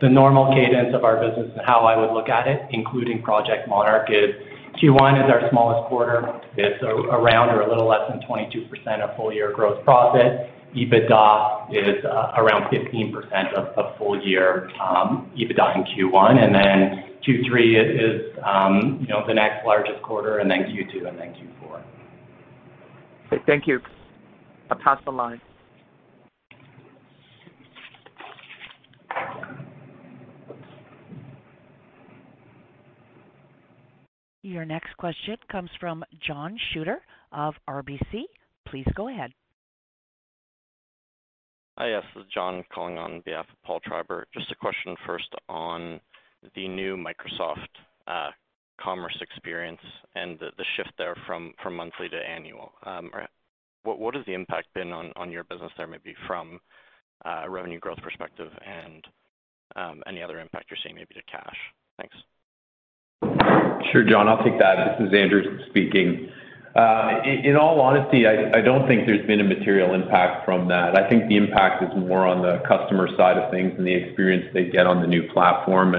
The normal cadence of our business and how I would look at it, including Project Monarch, is Q1 is our smallest quarter. It's around or a little less than 22% of full-year gross profit. EBITDA is around 15% of full-year EBITDA in Q1. Then Q3 is, you know, the next largest quarter, and then Q2 and then Q4. Okay. Thank you. I'll pass the line. Your next question comes from John Shuter of RBC. Please go ahead. Hi. Yes. This is John calling on behalf of Paul Treiber. Just a question first on the new Microsoft Commerce Experience and the shift there from monthly to annual. What has the impact been on your business there, maybe from a revenue growth perspective and any other impact you're seeing maybe to cash? Thanks. Sure, John, I'll take that. This is Andrew speaking. In all honesty, I don't think there's been a material impact from that. I think the impact is more on the customer side of things and the experience they get on the new platform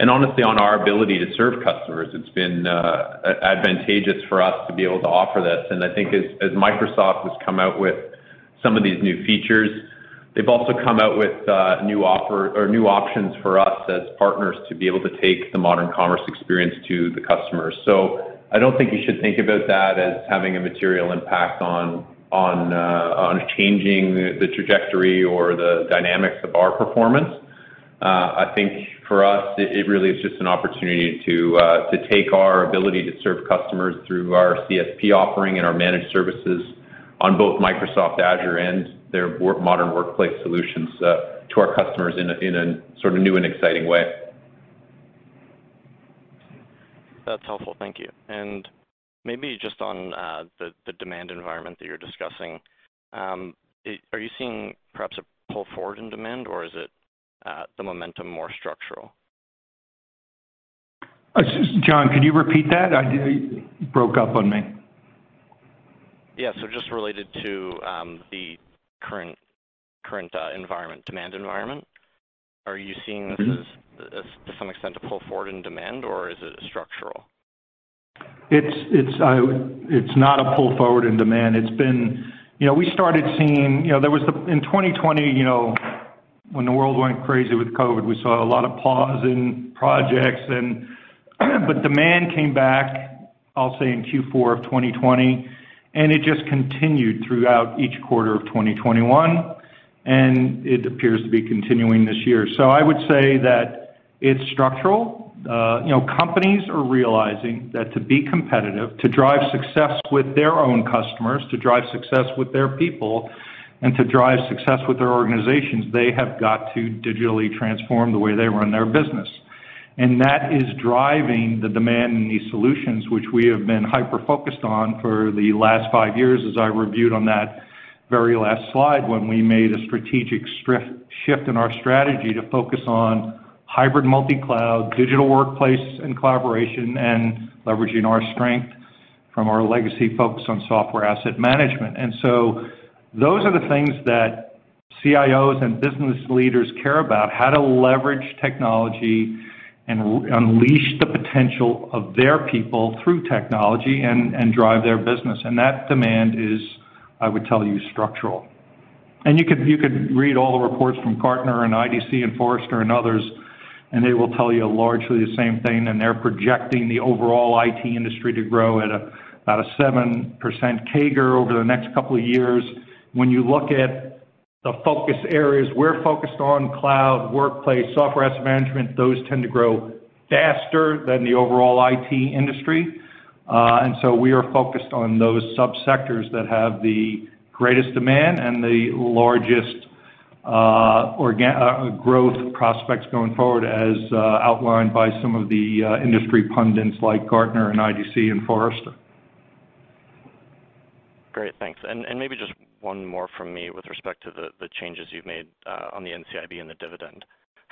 and honestly, on our ability to serve customers. It's been advantageous for us to be able to offer this. I think as Microsoft has come out with some of these new features, they've also come out with new options for us as partners to be able to take the New Commerce Experience to the customers. I don't think you should think about that as having a material impact on changing the trajectory or the dynamics of our performance. I think for us, it really is just an opportunity to take our ability to serve customers through our CSP offering and our managed services on both Microsoft Azure and their modern workplace solutions to our customers in a sort of new and exciting way. That's helpful. Thank you. Maybe just on the demand environment that you're discussing, are you seeing perhaps a pull forward in demand, or is it the momentum more structural? John, could you repeat that? You broke up on me. Just related to the current demand environment. Are you seeing this as, to some extent, a pull forward in demand, or is it structural? It's not a pull forward in demand. It's been. You know, we started seeing. You know, there was the. In 2020, you know, when the world went crazy with COVID, we saw a lot of pauses in projects, but demand came back, I'll say, in Q4 of 2020, and it just continued throughout each quarter of 2021, and it appears to be continuing this year. I would say that it's structural. You know, companies are realizing that to be competitive, to drive success with their own customers, to drive success with their people, and to drive success with their organizations, they have got to digitally transform the way they run their business. That is driving the demand in these solutions, which we have been hyper-focused on for the last five years, as I reviewed on that very last slide when we made a strategic shift in our strategy to focus on hybrid multi-cloud, digital workplace and collaboration, and leveraging our strength from our legacy focus on software asset management. Those are the things that CIOs and business leaders care about, how to leverage technology and unleash the potential of their people through technology and drive their business. That demand is, I would tell you, structural. You could read all the reports from Gartner and IDC and Forrester and others, and they will tell you largely the same thing, and they're projecting the overall IT industry to grow at about a 7% CAGR over the next couple of years. When you look at the focus areas, we're focused on cloud, workplace, software asset management. Those tend to grow faster than the overall IT industry. We are focused on those subsectors that have the greatest demand and the largest growth prospects going forward as outlined by some of the industry pundits like Gartner and IDC and Forrester. Great. Thanks. Maybe just one more from me with respect to the changes you've made on the NCIB and the dividend.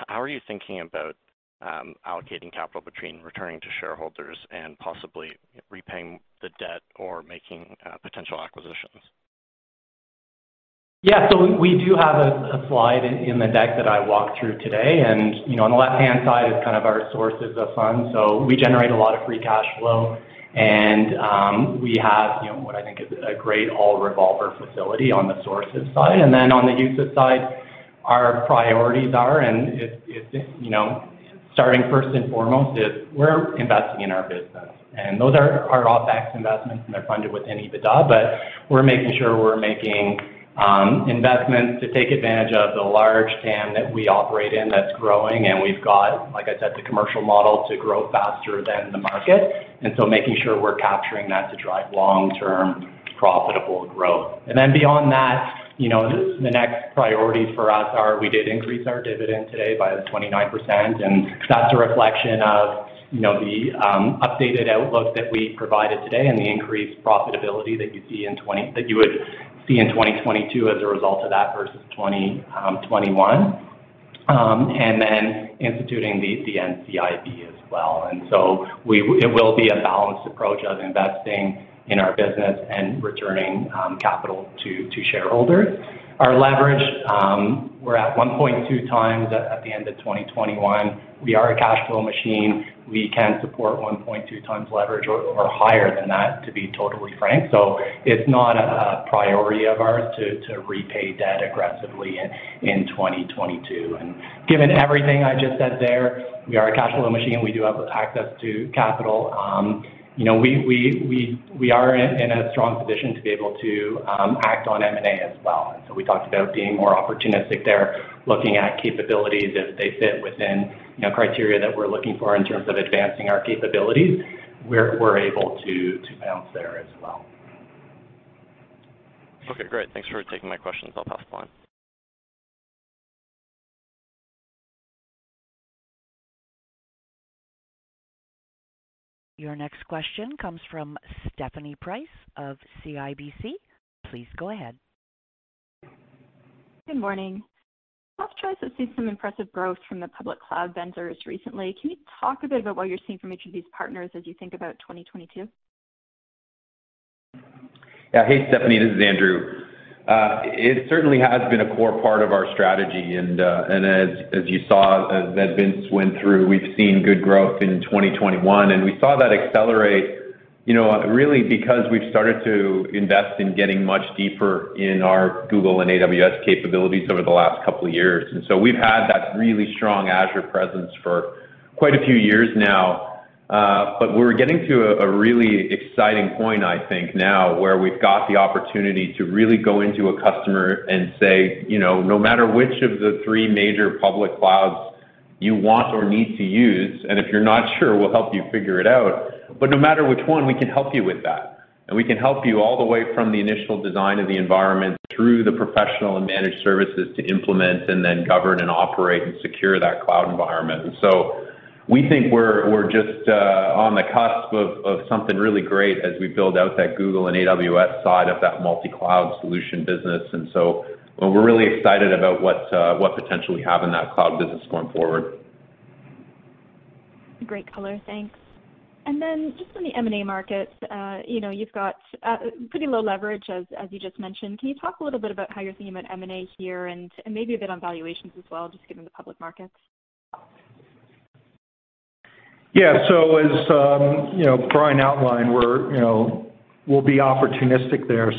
How are you thinking about allocating capital between returning to shareholders and possibly repaying the debt or making potential acquisitions? Yeah, we do have a slide in the deck that I walked through today. You know, on the left-hand side is kind of our sources of funds. We generate a lot of free cash flow. We have, you know, what I think is a great ABL revolver facility on the sources side. Then on the uses side, our priorities are, and it's, you know, starting first and foremost is we're investing in our business. Those are our OpEx investments, and they're funded within EBITDA. We're making sure we're making investments to take advantage of the large TAM that we operate in that's growing. We've got, like I said, the commercial model to grow faster than the market. Making sure we're capturing that to drive long-term profitable growth. Beyond that, you know, the next priorities for us are we did increase our dividend today by 29%, and that's a reflection of, you know, the updated outlook that we provided today and the increased profitability that you see in 2022 as a result of that vs 2021. Instituting the NCIB as well. It will be a balanced approach of investing in our business and returning capital to shareholders. Our leverage, we're at 1.2x at the end of 2021. We are a cash flow machine. We can support 1.2x leverage or higher than that, to be totally frank. It's not a priority of ours to repay debt aggressively in 2022. Given everything I just said there, we are a cash flow machine. We do have access to capital. You know, we are in a strong position to be able to act on M&A as well. We talked about being more opportunistic there, looking at capabilities as they fit within, you know, criteria that we're looking for in terms of advancing our capabilities. We're able to pounce there as well. Okay, great. Thanks for taking my questions. I'll pass them on. Your next question comes from Stephanie Price of CIBC. Please go ahead. Good morning. Softchoice has seen some impressive growth from the public cloud vendors recently. Can you talk a bit about what you're seeing from each of these partners as you think about 2022? Yeah. Hey, Stephanie, this is Andrew. It certainly has been a core part of our strategy. As you saw, Vince went through, we've seen good growth in 2021. We saw that accelerate, you know, really because we've started to invest in getting much deeper in our Google and AWS capabilities over the last couple of years. We've had that really strong Azure presence for quite a few years now. But we're getting to a really exciting point, I think, now, where we've got the opportunity to really go into a customer and say, you know, "No matter which of the three major public clouds you want or need to use, and if you're not sure, we'll help you figure it out. But no matter which one, we can help you with that. We can help you all the way from the initial design of the environment through the professional and managed services to implement and then govern and operate and secure that cloud environment." We think we're just on the cusp of something really great as we build out that Google and AWS side of that multi-cloud solution business. We're really excited about what potential we have in that cloud business going forward. Great color. Thanks. Just on the M&A market, you know, you've got pretty low leverage as you just mentioned. Can you talk a little bit about how you're thinking about M&A here and maybe a bit on valuations as well, just given the public markets? Yeah. As you know, Bryan outlined, we're you know we'll be opportunistic there.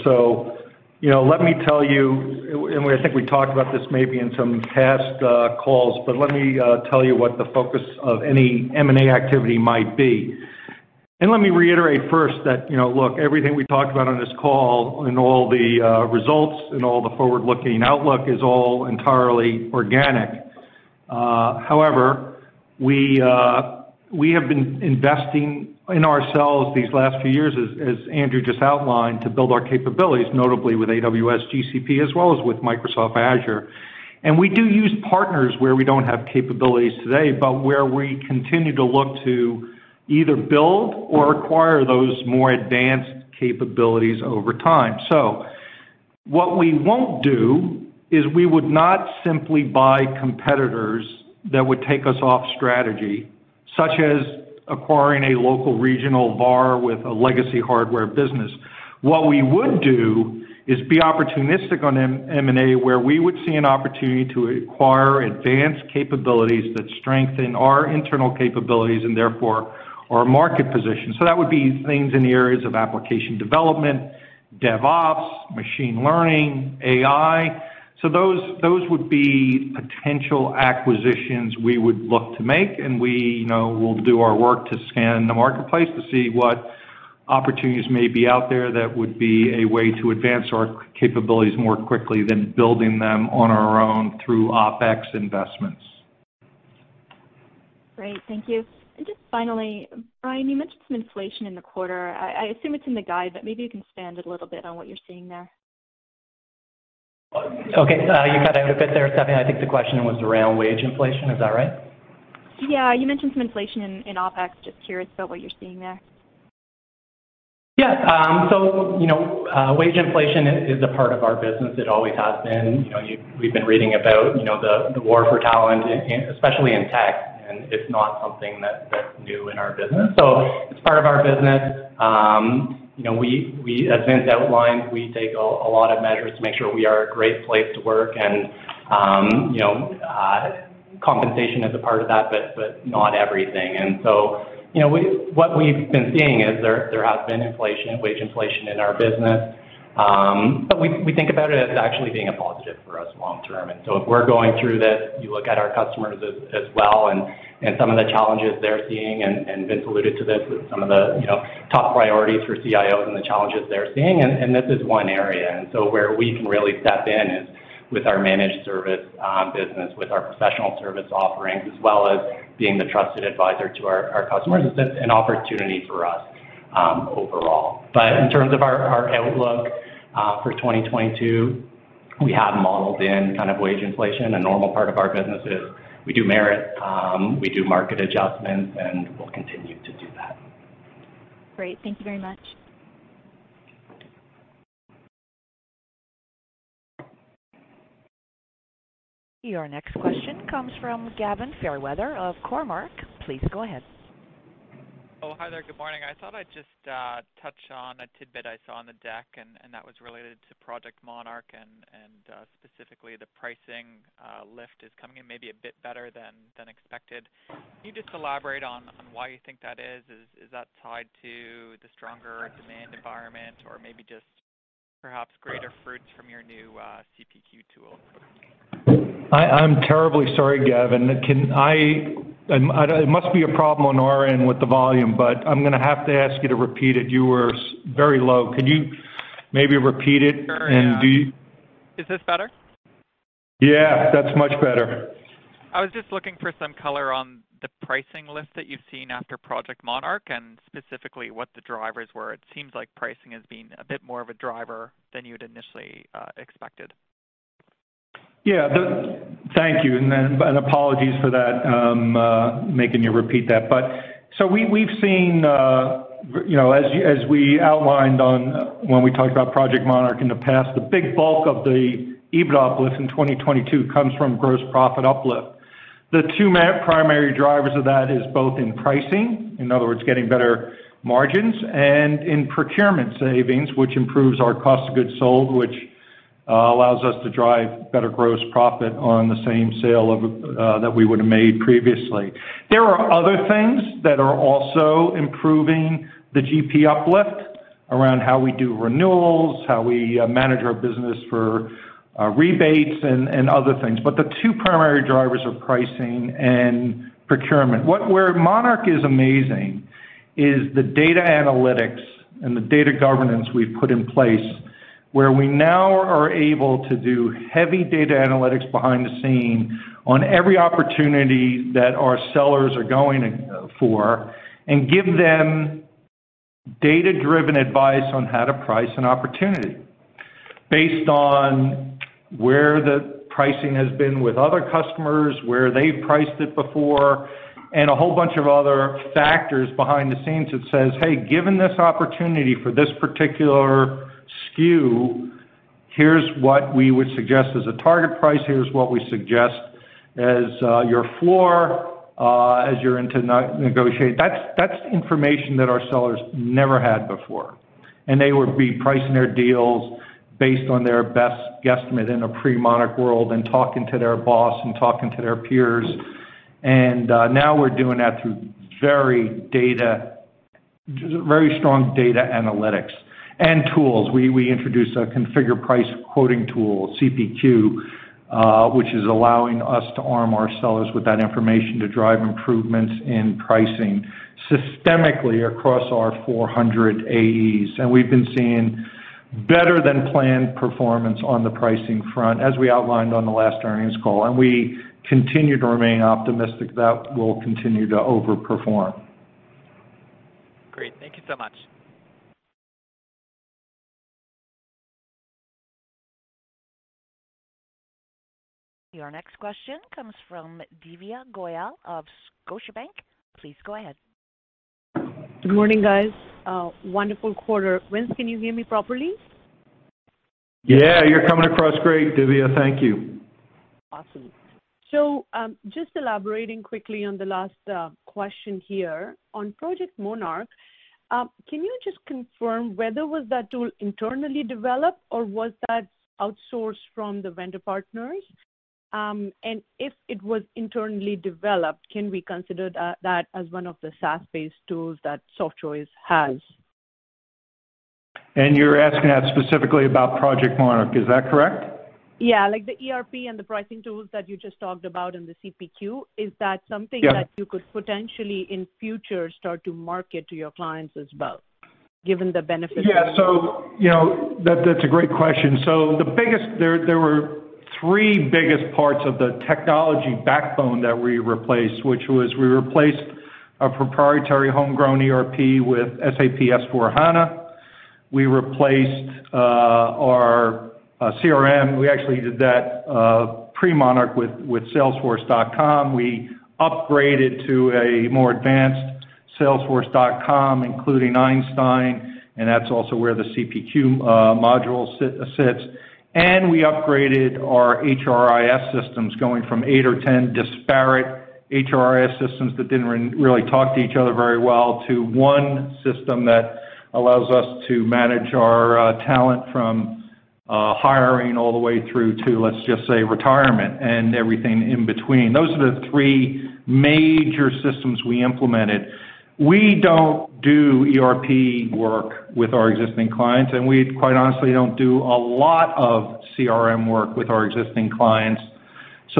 You know, let me tell you, and I think we talked about this maybe in some past calls, but let me tell you what the focus of any M&A activity might be. Let me reiterate first that, you know, look, everything we talked about on this call and all the results and all the forward-looking outlook is all entirely organic. However, we have been investing in ourselves these last few years as Andrew just outlined, to build our capabilities, notably with AWS, GCP, as well as with Microsoft Azure. We do use partners where we don't have capabilities today, but where we continue to look to either build or acquire those more advanced capabilities over time. What we won't do is we would not simply buy competitors that would take us off strategy, such as acquiring a local regional bar with a legacy hardware business. What we would do is be opportunistic on M&A, where we would see an opportunity to acquire advanced capabilities that strengthen our internal capabilities and therefore our market position. That would be things in the areas of application development, DevOps, machine learning, AI. Those would be potential acquisitions we would look to make, and we, you know, we'll do our work to scan the marketplace to see what opportunities may be out there that would be a way to advance our capabilities more quickly than building them on our own through OpEx investments. Great. Thank you. Just finally, Bryan, you mentioned some inflation in the quarter. I assume it's in the guide, but maybe you can expand it a little bit on what you're seeing there. Okay. You cut out a bit there, Stephanie. I think the question was around wage inflation. Is that right? Yeah. You mentioned some inflation in OpEx. Just curious about what you're seeing there. Yeah. You know, wage inflation is a part of our business. It always has been. You know, we've been reading about, you know, the war for talent especially in tech, and it's not something that's new in our business. It's part of our business. You know, as Vince outlined, we take a lot of measures to make sure we are a great place to work and, you know, compensation is a part of that, but not everything. You know, what we've been seeing is there has been inflation, wage inflation in our business. We think about it as actually being a positive for us long term. If we're going through this, you look at our customers as well and some of the challenges they're seeing, and Vince alluded to this with some of the, you know, top priorities for CIOs and the challenges they're seeing, and this is one area. Where we can really step in is with our managed service business, with our professional service offerings, as well as being the trusted advisor to our customers. It's an opportunity for us overall. But in terms of our outlook for 2022, we have modeled in kind of wage inflation. A normal part of our business is we do merit, we do market adjustments, and we'll continue to do that. Great. Thank you very much. Your next question comes from Gavin Fairweather of Cormark. Please go ahead. Oh, hi there. Good morning. I thought I'd just touch on a tidbit I saw on the deck, and that was related to Project Monarch and specifically the pricing lift is coming in maybe a bit better than expected. Can you just elaborate on why you think that is? Is that tied to the stronger demand environment or maybe just perhaps greater fruits from your new CPQ tool? I'm terribly sorry, Gavin. It must be a problem on our end with the volume, but I'm gonna have to ask you to repeat it. You were very low. Could you maybe repeat it and be- Sure. Yeah. Is this better? Yeah, that's much better. I was just looking for some color on the pricing lift that you've seen after Project Monarch and specifically what the drivers were. It seems like pricing has been a bit more of a driver than you'd initially expected. Yeah. Thank you and apologies for that, making you repeat that. We've seen, you know, as we outlined when we talked about Project Monarch in the past, the big bulk of the EBITDA uplift in 2022 comes from gross profit uplift. The two primary drivers of that is both in pricing, in other words, getting better margins and in procurement savings, which improves our cost of goods sold, which allows us to drive better gross profit on the same sale of that we would have made previously. There are other things that are also improving the GP uplift around how we do renewals, how we manage our business for rebates and other things. The two primary drivers are pricing and procurement. Where Monarch is amazing is the data analytics and the data governance we've put in place, where we now are able to do heavy data analytics behind the scene on every opportunity that our sellers are going for and give them data-driven advice on how to price an opportunity based on where the pricing has been with other customers, where they've priced it before, and a whole bunch of other factors behind the scenes that says, "Hey, given this opportunity for this particular SKU, here's what we would suggest as a target price. Here's what we suggest as your floor as you're into negotiate." That's information that our sellers never had before. They would be pricing their deals based on their best guesstimate in a pre-Monarch world and talking to their boss and talking to their peers. Now we're doing that through very strong data analytics and tools. We introduced a configure price quoting tool, CPQ, which is allowing us to arm our sellers with that information to drive improvements in pricing systemically across our 400 AEs. We've been seeing better than planned performance on the pricing front, as we outlined on the last earnings call. We continue to remain optimistic that we'll continue to overperform. Great. Thank you so much. Your next question comes from Divya Goyal of Scotiabank. Please go ahead. Good morning, guys. A wonderful quarter. Vince, can you hear me properly? Yeah, you're coming across great, Divya. Thank you. Awesome. Just elaborating quickly on the last question here on Project Monarch, can you just confirm whether was that tool internally developed or was that outsourced from the vendor partners? If it was internally developed, can we consider that as one of the SaaS-based tools that Softchoice has? You're asking that specifically about Project Monarch, is that correct? Yeah. Like the ERP and the pricing tools that you just talked about in the CPQ. Is that something? Yeah. that you could potentially, in future, start to market to your clients as well, given the benefits? You know, that's a great question. There were three biggest parts of the technology backbone that we replaced, which was we replaced a proprietary homegrown ERP with SAP S/4HANA. We replaced our CRM. We actually did that pre-Monarch with Salesforce.com. We upgraded to a more advanced Salesforce.com, including Einstein, and that's also where the CPQ module sits. We upgraded our HRIS systems, going from eight or 10 disparate HRIS systems that didn't really talk to each other very well to one system that allows us to manage our talent from hiring all the way through to, let's just say, retirement and everything in between. Those are the three major systems we implemented. We don't do ERP work with our existing clients, and we quite honestly don't do a lot of CRM work with our existing clients.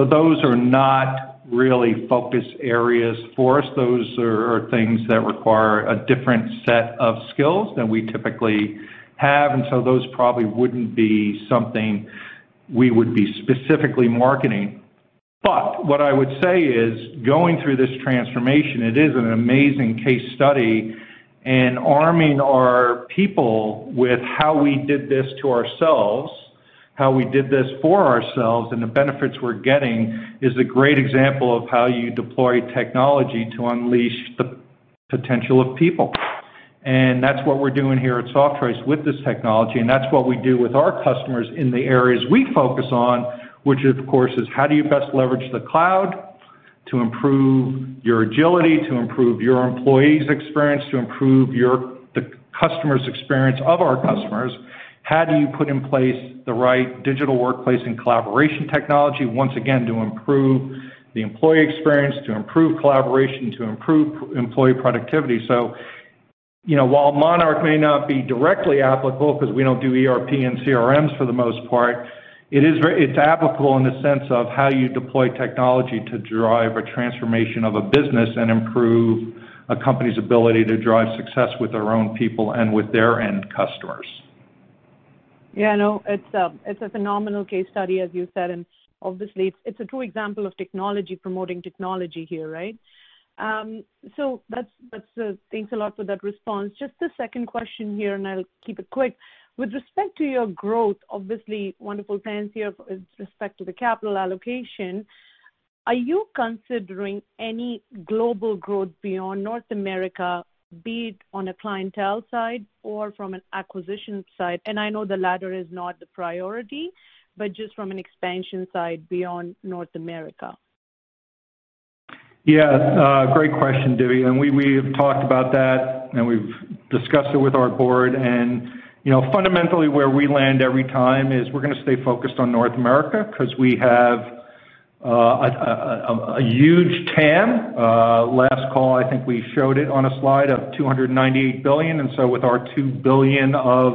Those are not really focus areas for us. Those are things that require a different set of skills than we typically have, and so those probably wouldn't be something we would be specifically marketing. What I would say is, going through this transformation, it is an amazing case study in arming our people with how we did this to ourselves, how we did this for ourselves, and the benefits we're getting is a great example of how you deploy technology to unleash the potential of people. That's what we're doing here at Softchoice with this technology, and that's what we do with our customers in the areas we focus on, which of course, is how do you best leverage the cloud to improve your agility, to improve your employees' experience, to improve the customer's experience of our customers? How do you put in place the right digital workplace and collaboration technology, once again, to improve the employee experience, to improve collaboration, to improve employee productivity? You know, while Monarch may not be directly applicable because we don't do ERP and CRMs for the most part, it's applicable in the sense of how you deploy technology to drive a transformation of a business and improve a company's ability to drive success with their own people and with their end customers. Yeah, I know. It's a phenomenal case study, as you said, and obviously it's a true example of technology promoting technology here, right? So that's thanks a lot for that response. Just a second question here, and I'll keep it quick. With respect to your growth, obviously wonderful plans here with respect to the capital allocation, are you considering any global growth beyond North America, be it on a clientele side or from an acquisition side? I know the latter is not the priority, but just from an expansion side beyond North America. Yeah. Great question, Divya, and we have talked about that, and we've discussed it with our board. You know, fundamentally, where we land every time is we're gonna stay focused on North America because we have a huge TAM. Last call, I think we showed it on a slide of $298 billion. With our $2 billion of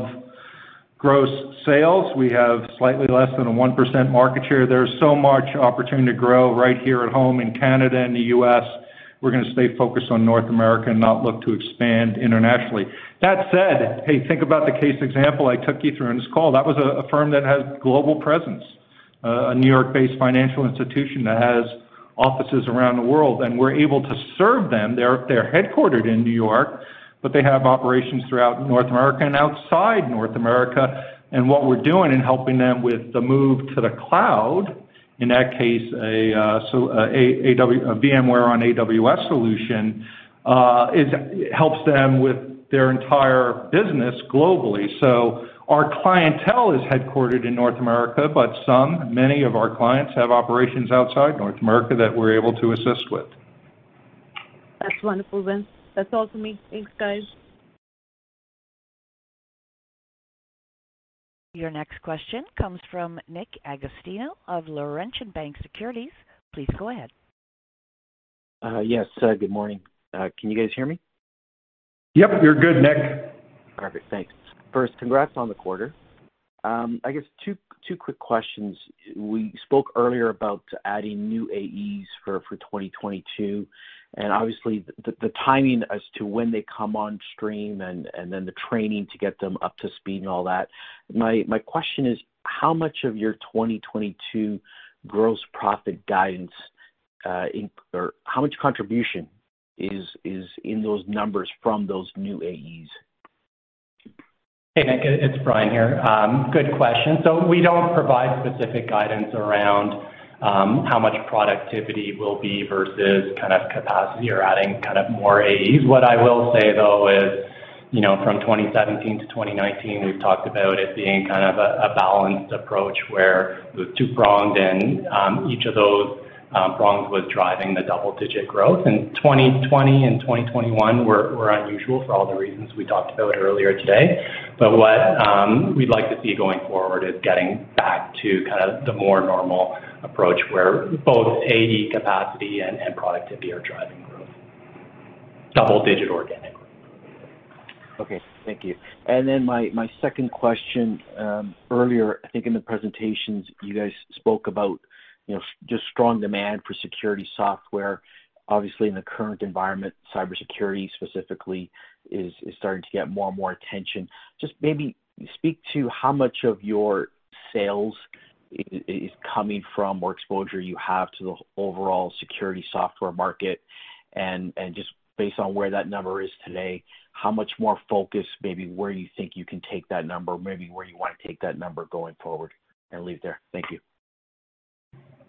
gross sales, we have slightly less than a 1% market share. There is so much opportunity to grow right here at home in Canada and the U.S. We're gonna stay focused on North America and not look to expand internationally. That said, hey, think about the case example I took you through in this call. That was a firm that has global presence. A New York-based financial institution that has offices around the world, and we're able to serve them. They're headquartered in New York, but they have operations throughout North America and outside North America. What we're doing in helping them with the move to the cloud, in that case a AWS VMware on AWS solution, helps them with their entire business globally. Our clientele is headquartered in North America, but some, many of our clients have operations outside North America that we're able to assist with. That's wonderful, Vince. That's all for me. Thanks, guys. Your next question comes from Nick Agostino of Laurentian Bank Securities. Please go ahead. Yes. Good morning. Can you guys hear me? Yep, you're good, Nick. Perfect. Thanks. First, congrats on the quarter. I guess two quick questions. We spoke earlier about adding new AEs for 2022, and obviously the timing as to when they come on stream and then the training to get them up to speed and all that. My question is, how much of your 2022 gross profit guidance or how much contribution is in those numbers from those new AEs? Hey, Nick, it's Bryan here. Good question. We don't provide specific guidance around how much productivity will be vs kind of capacity or adding kind of more AEs. What I will say, though, is from 2017-2019, we've talked about it being kind of a balanced approach where it was two-pronged and each of those prongs was driving the double-digit growth. In 2020 and 2021 were unusual for all the reasons we talked about earlier today. What we'd like to see going forward is getting back to kind of the more normal approach where both AE capacity and productivity are driving growth, double-digit organic. Okay. Thank you. Then my second question. Earlier, I think in the presentations, you guys spoke about, you know, just strong demand for security software. Obviously, in the current environment, cybersecurity specifically is starting to get more and more attention. Just maybe speak to how much of your sales is coming from or exposure you have to the overall security software market. Just based on where that number is today, how much more focus maybe where you think you can take that number, maybe where you wanna take that number going forward? I'll leave it there. Thank you.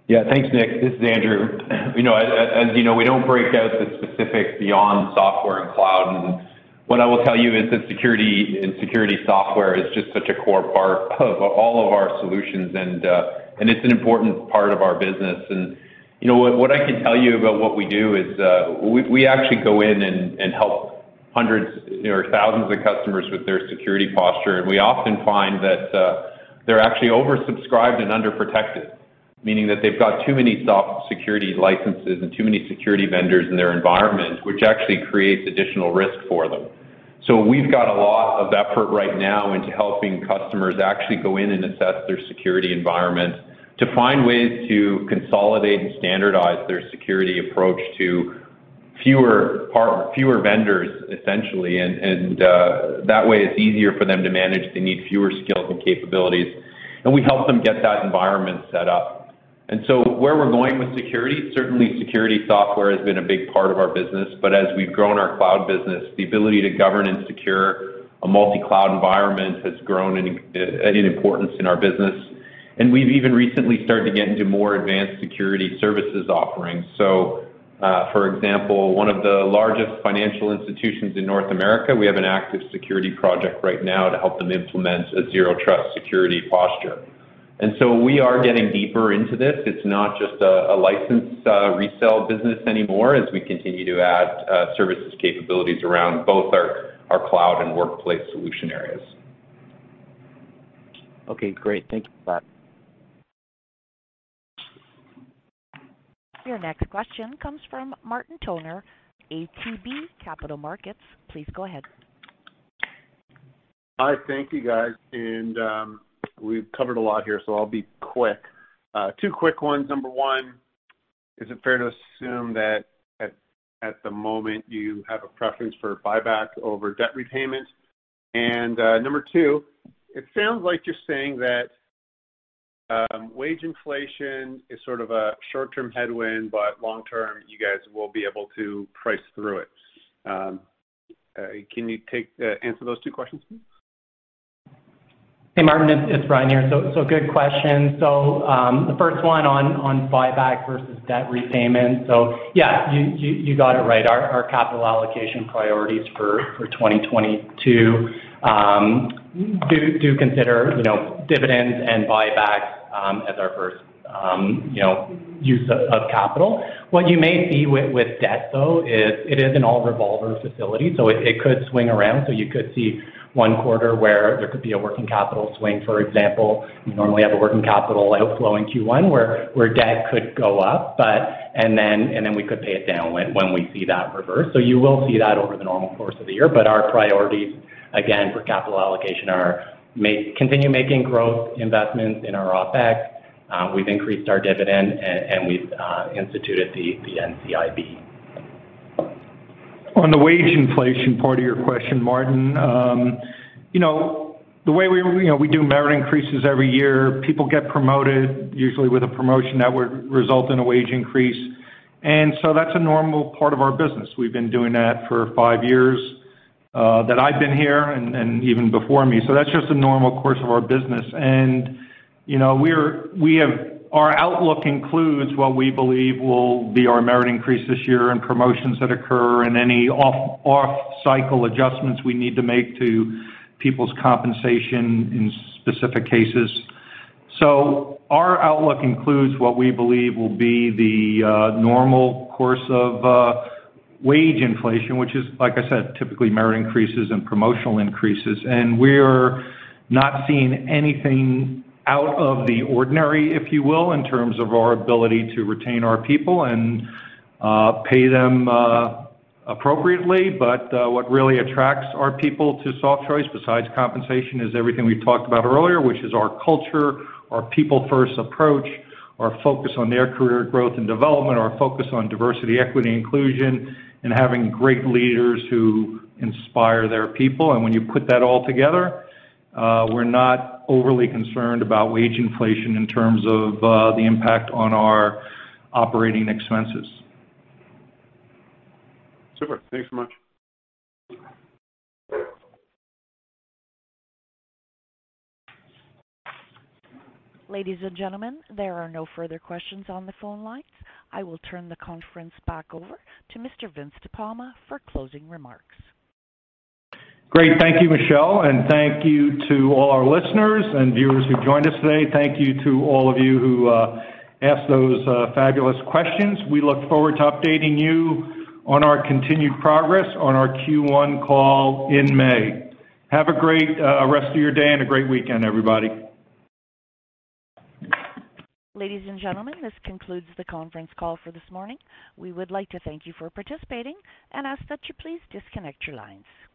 Yeah. Thanks, Nick. This is Andrew. You know, as you know, we don't break out the specifics beyond software and cloud. What I will tell you is that security and security software is just such a core part of all of our solutions, and it's an important part of our business. You know, what I can tell you about what we do is we actually go in and help hundreds or thousands of customers with their security posture. We often find that they're actually oversubscribed and underprotected, meaning that they've got too many software security licenses and too many security vendors in their environment, which actually creates additional risk for them. We've got a lot of effort right now into helping customers actually go in and assess their security environment to find ways to consolidate and standardize their security approach to fewer vendors, essentially. That way it's easier for them to manage. They need fewer skills and capabilities. We help them get that environment set up. Where we're going with security, certainly security software has been a big part of our business. As we've grown our cloud business, the ability to govern and secure a multi-cloud environment has grown in importance in our business. We've even recently started to get into more advanced security services offerings. For example, one of the largest financial institutions in North America, we have an active security project right now to help them implement a zero trust security posture. We are getting deeper into this. It's not just a license resell business anymore as we continue to add services capabilities around both our cloud and workplace solution areas. Okay, great. Thank you for that. Your next question comes from Martin Toner, ATB Capital Markets. Please go ahead. Hi. Thank you, guys. We've covered a lot here, so I'll be quick. Two quick ones. Number one, is it fair to assume that at the moment you have a preference for buyback over debt repayment? Number two, it sounds like you're saying that wage inflation is sort of a short-term headwind, but long term, you guys will be able to price through it. Can you answer those two questions, please? Hey, Martin, it's Bryan here. Good question. The first one on buyback vs debt repayment. Yeah, you got it right. Our capital allocation priorities for 2022 do consider, you know, dividends and buybacks as our first, you know, use of capital. What you may see with debt, though, is it is an all-revolver facility, so it could swing around. You could see one quarter where there could be a working capital swing, for example. We normally have a working capital outflow in Q1 where debt could go up, but then we could pay it down when we see that reverse. You will see that over the normal course of the year. Our priorities, again, for capital allocation are continue making growth investments in our OpEx. We've increased our dividend and we've instituted the NCIB. On the wage inflation part of your question, Martin, you know, we do merit increases every year. People get promoted, usually with a promotion that would result in a wage increase. That's a normal part of our business. We've been doing that for five years that I've been here and even before me. That's just a normal course of our business. You know, we have our outlook includes what we believe will be our merit increase this year and promotions that occur and any off-cycle adjustments we need to make to people's compensation in specific cases. Our outlook includes what we believe will be the normal course of wage inflation, which is, like I said, typically merit increases and promotional increases. We're not seeing anything out of the ordinary, if you will, in terms of our ability to retain our people and pay them appropriately. What really attracts our people to Softchoice, besides compensation, is everything we've talked about earlier, which is our culture, our people-first approach, our focus on their career growth and development, our focus on diversity, equity, and inclusion, and having great leaders who inspire their people. When you put that all together, we're not overly concerned about wage inflation in terms of the impact on our operating expenses. Super. Thanks so much. Ladies and gentlemen, there are no further questions on the phone lines. I will turn the conference back over to Mr. Vince De Palma for closing remarks. Great. Thank you, Michelle, and thank you to all our listeners and viewers who joined us today. Thank you to all of you who asked those fabulous questions. We look forward to updating you on our continued progress on our Q1 call in May. Have a great rest of your day and a great weekend, everybody. Ladies and gentlemen, this concludes the conference call for this morning. We would like to thank you for participating and ask that you please disconnect your lines.